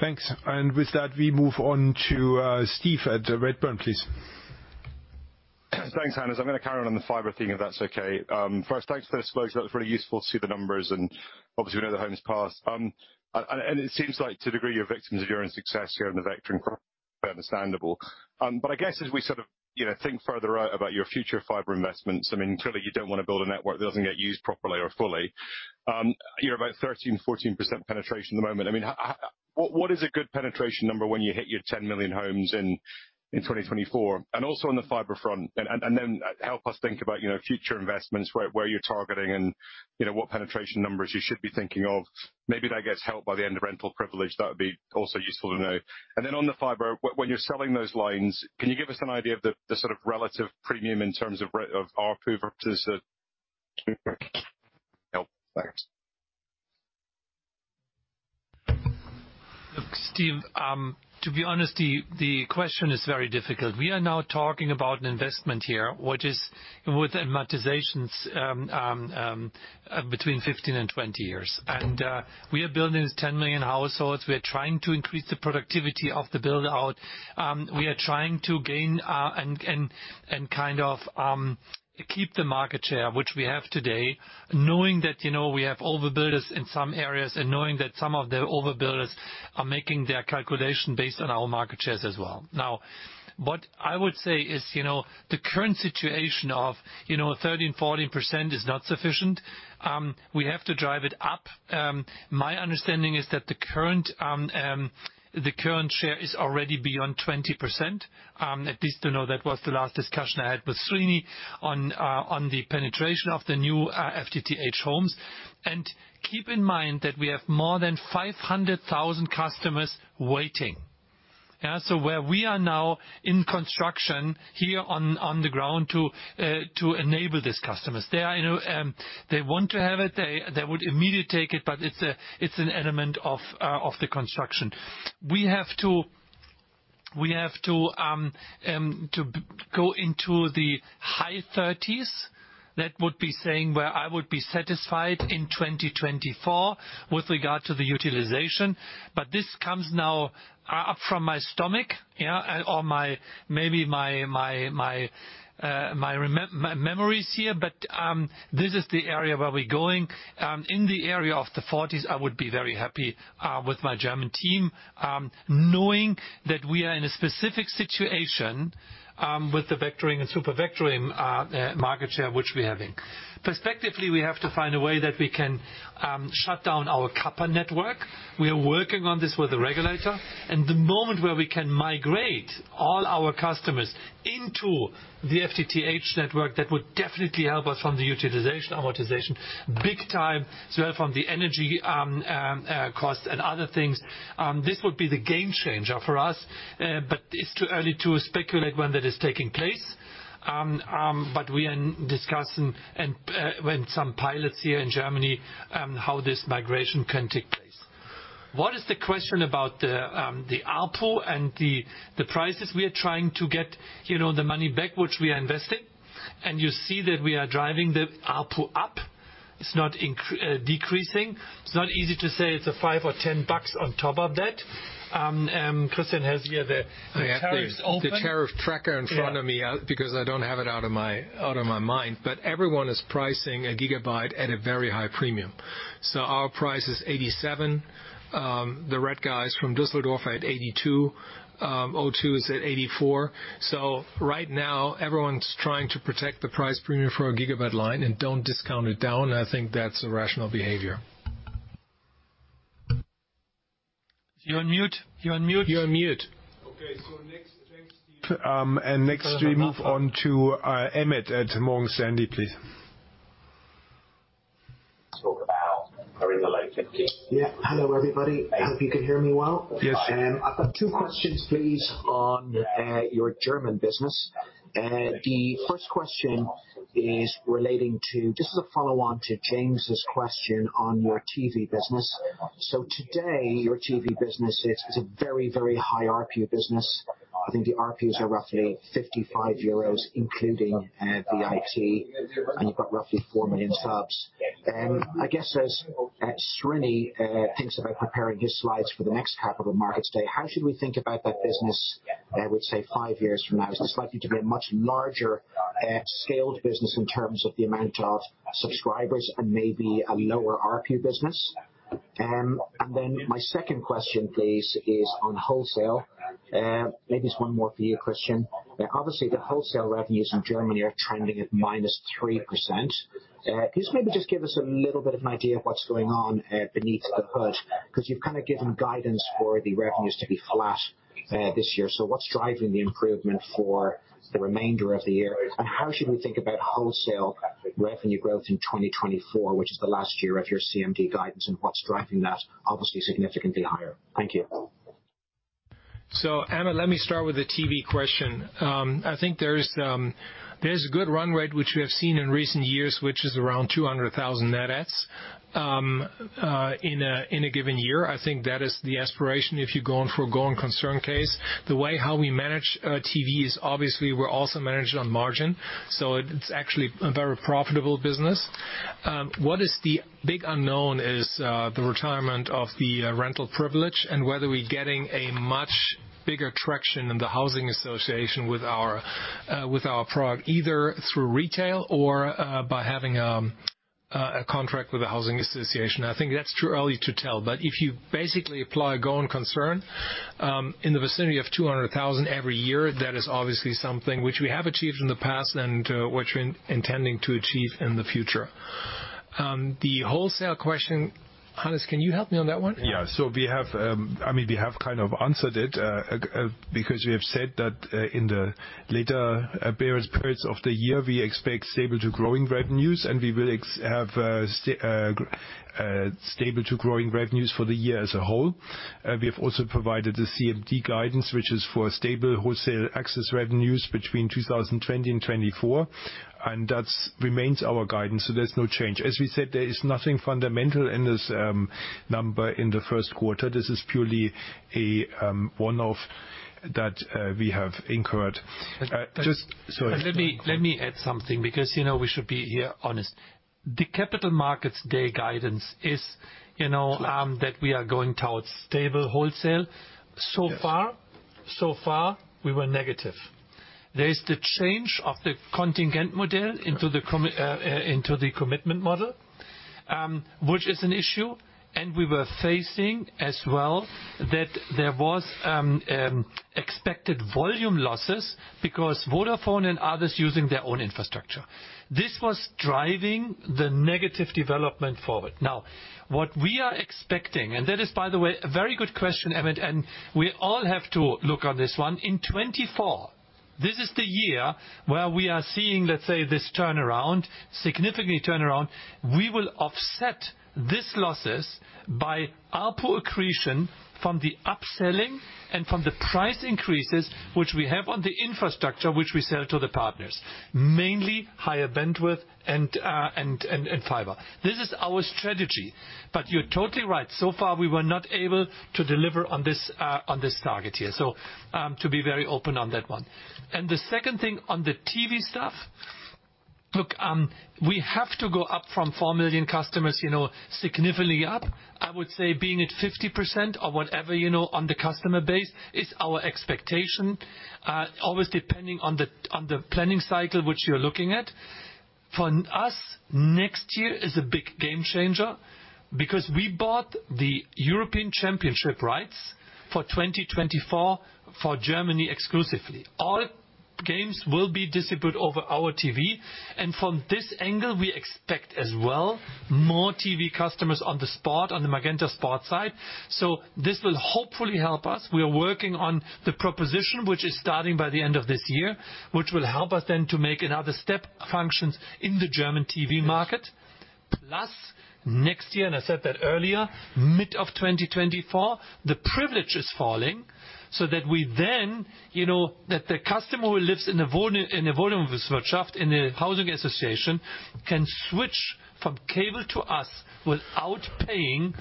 Thanks. With that we move on to Steve at Redburn, please. Thanks, Hannes. I'm gonna carry on the fiber theme if that's okay. First, thanks for the slides. That was really useful to see the numbers and obviously we know the homes passed. It seems like to degree you're victims of your own success here in the Vectoring understandable. I guess as we sort of, you know, think further out about your future fiber investments, I mean, clearly you don't wanna build a network that doesn't get used properly or fully. You're about 13%, 14% penetration at the moment. I mean, what is a good penetration number when you hit your 10 million homes in 2024? Also on the fiber front. Then help us think about, you know, future investments. Where you're targeting and, you know, what penetration numbers you should be thinking of. Maybe that gets helped by the end of rental privilege. That would be also useful to know. And then on the fiber, when you're selling those lines, can you give us an idea of the sort of relative premium in terms of of our help. Thanks. Steve, to be honest, the question is very difficult. We are now talking about an investment here which is with amortizations between 15 and 20 years. We are building this 10 million households. We are trying to increase the productivity of the build-out. We are trying to gain and kind of keep the market share which we have today. Knowing that, you know, we have overbuilders in some areas and knowing that some of the overbuilders are making their calculation based on our market shares as well. What I would say is, you know, the current situation of, you know, 13-14% is not sufficient. We have to drive it up. My understanding is that the current share is already beyond 20%. At least to know that was the last discussion I had with Srini on the penetration of the new FTTH homes. Keep in mind that we have more than 500,000 customers waiting. Yeah. Where we are now in construction here on the ground to enable these customers. They are, you know, they want to have it. They would immediately take it, but it's an element of the construction. We have to go into the high 30s. That would be saying where I would be satisfied in 2024 with regard to the utilization. This comes now up from my stomach, yeah, or my, maybe my memories here. This is the area where we're going. In the area of the 40s, I would be very happy with my German team. Knowing that we are in a specific situation with the Vectoring and Super-vectoring market share which we have in. Perspectively, we have to find a way that we can shut down our copper network. We are working on this with the regulator. The moment where we can migrate all our customers into the FTTH network, that would definitely help us from the utilization amortization big time. As well from the energy cost and other things. This would be the game changer for us. It's too early to speculate when that is taking place. We are discussing and when some pilots here in Germany, how this migration can take place. What is the question about the ARPU and the prices we are trying to get, you know, the money back which we are investing. You see that we are driving the ARPU up. It's not decreasing. It's not easy to say it's a 5 or 10 bucks on top of that. Christian has here the tariffs open. I have the tariff tracker in front of me. Yeah. because I don't have it out of my, out of my mind. Everyone is pricing a gigabyte at a very high premium. Our price is 87. The red guys from Düsseldorf are at 82. O2 is at 84. Right now everyone's trying to protect the price premium for a gigabyte line and don't discount it down. I think that's a rational behavior. You're on mute. You're on mute. You're on mute. Okay. Next, thanks, Steve. Next we move on to Emmett at Morgan Stanley, please. Talk about during the late fifties. Yeah. Hello, everybody. Hope you can hear me well. Yes. I've got two questions please on your German business. The first question is just as a follow on to James' question on your TV business. Today, your TV business is a very, very high RPU business. I think the RPUs are roughly 55 euros, including MagentaEINS. You've got roughly 4 million subs. I guess as Srini thinks about preparing his slides for the next capital markets day, how should we think about that business, I would say, five years from now? Is this likely to be a much larger, scaled business in terms of the amount of subscribers and maybe a lower RPU business? My second question, please, is on wholesale. Maybe it's one more for you, Christian. Obviously the wholesale revenues in Germany are trending at -3%. Can you maybe just give us a little bit of an idea of what's going on beneath the hood? 'Cause you've kinda given guidance for the revenues to be flat this year. What's driving the improvement for the remainder of the year? How should we think about wholesale revenue growth in 2024, which is the last year of your CMD guidance, and what's driving that obviously significantly higher? Thank you. Emmett, let me start with the TV question. I think there's a good run rate which we have seen in recent years, which is around 200,000 net adds. in a given year. I think that is the aspiration if you're going for a going concern case. The way how we manage TV is obviously we're also managed on margin. It's actually a very profitable business. What is the big unknown is the retirement of the rental privilege and whether we're getting a much bigger traction in the housing association with our product, either through retail or by having. A contract with the housing association. I think that's too early to tell. If you basically apply a going concern, in the vicinity of 200,000 every year, that is obviously something which we have achieved in the past and which we're intending to achieve in the future. The wholesale question. Hannes, can you help me on that one? Yeah. We have, I mean, we have kind of answered it because we have said that in the later periods of the year, we expect stable to growing revenues, and we will have stable to growing revenues for the year as a whole. We have also provided the CMD guidance, which is for stable wholesale access revenues between 2020 and 2024, and that's remains our guidance, so there's no change. As we said, there is nothing fundamental in this number in the first quarter. This is purely a one-off that we have incurred. And, and- Sorry. Let me add something because, you know, we should be, here, honest. The Capital Markets Day guidance is, you know, that we are going towards stable wholesale. Yes. So far, we were negative. There is the change of the contingent model into the commitment model, which is an issue. We were facing as well that there was expected volume losses because Vodafone and others using their own infrastructure. This was driving the negative development forward. What we are expecting, that is, by the way, a very good question, Emmett, we all have to look on this one. In 2024, this is the year where we are seeing this turnaround, significantly turn around. We will offset these losses by ARPU accretion from the upselling and from the price increases which we have on the infrastructure which we sell to the partners. Mainly higher bandwidth and fiber. This is our strategy. You're totally right. So far, we were not able to deliver on this, on this target here. To be very open on that one. The second thing on the TV stuff. Look, we have to go up from 4 million customers, you know, significantly up. I would say being at 50% or whatever, you know, on the customer base is our expectation. Always depending on the, on the planning cycle which you're looking at. For us, next year is a big game changer because we bought the European Championship rights for 2024 for Germany exclusively. All games will be distributed over our TV. From this angle, we expect as well more TV customers on the spot, on the MagentaSport side. This will hopefully help us. We are working on the proposition, which is starting by the end of this year, which will help us then to make another step functions in the German TV market. Next year, and I said that earlier, mid of 2024, the privilege is falling so that we then, you know, that the customer who lives in a wohnung, in a Wohnungswirtschaft, in a housing association, can switch from cable to us without paying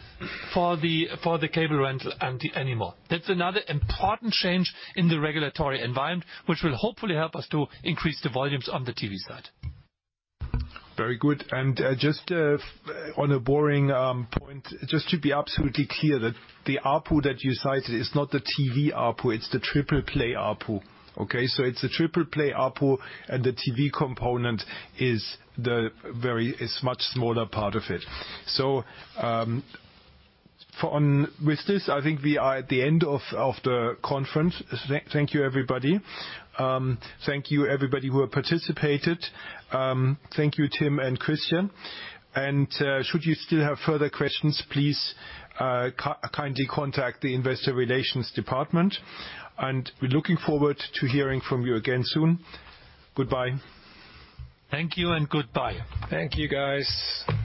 for the, for the cable rental anti anymore. That's another important change in the regulatory environment, which will hopefully help us to increase the volumes on the TV side. Very good. just on a boring point, just to be absolutely clear that the ARPU that you cited is not the TV ARPU, it's the triple play ARPU. Okay? it's the triple play ARPU, and the TV component is the very much smaller part of it. with this, I think we are at the end of the conference. Thank you, everybody. Thank you, everybody, who participated. Thank you, Tim and Christian. Should you still have further questions, please kindly contact the investor relations department. We're looking forward to hearing from you again soon. Goodbye. Thank you, and goodbye. Thank you, guys.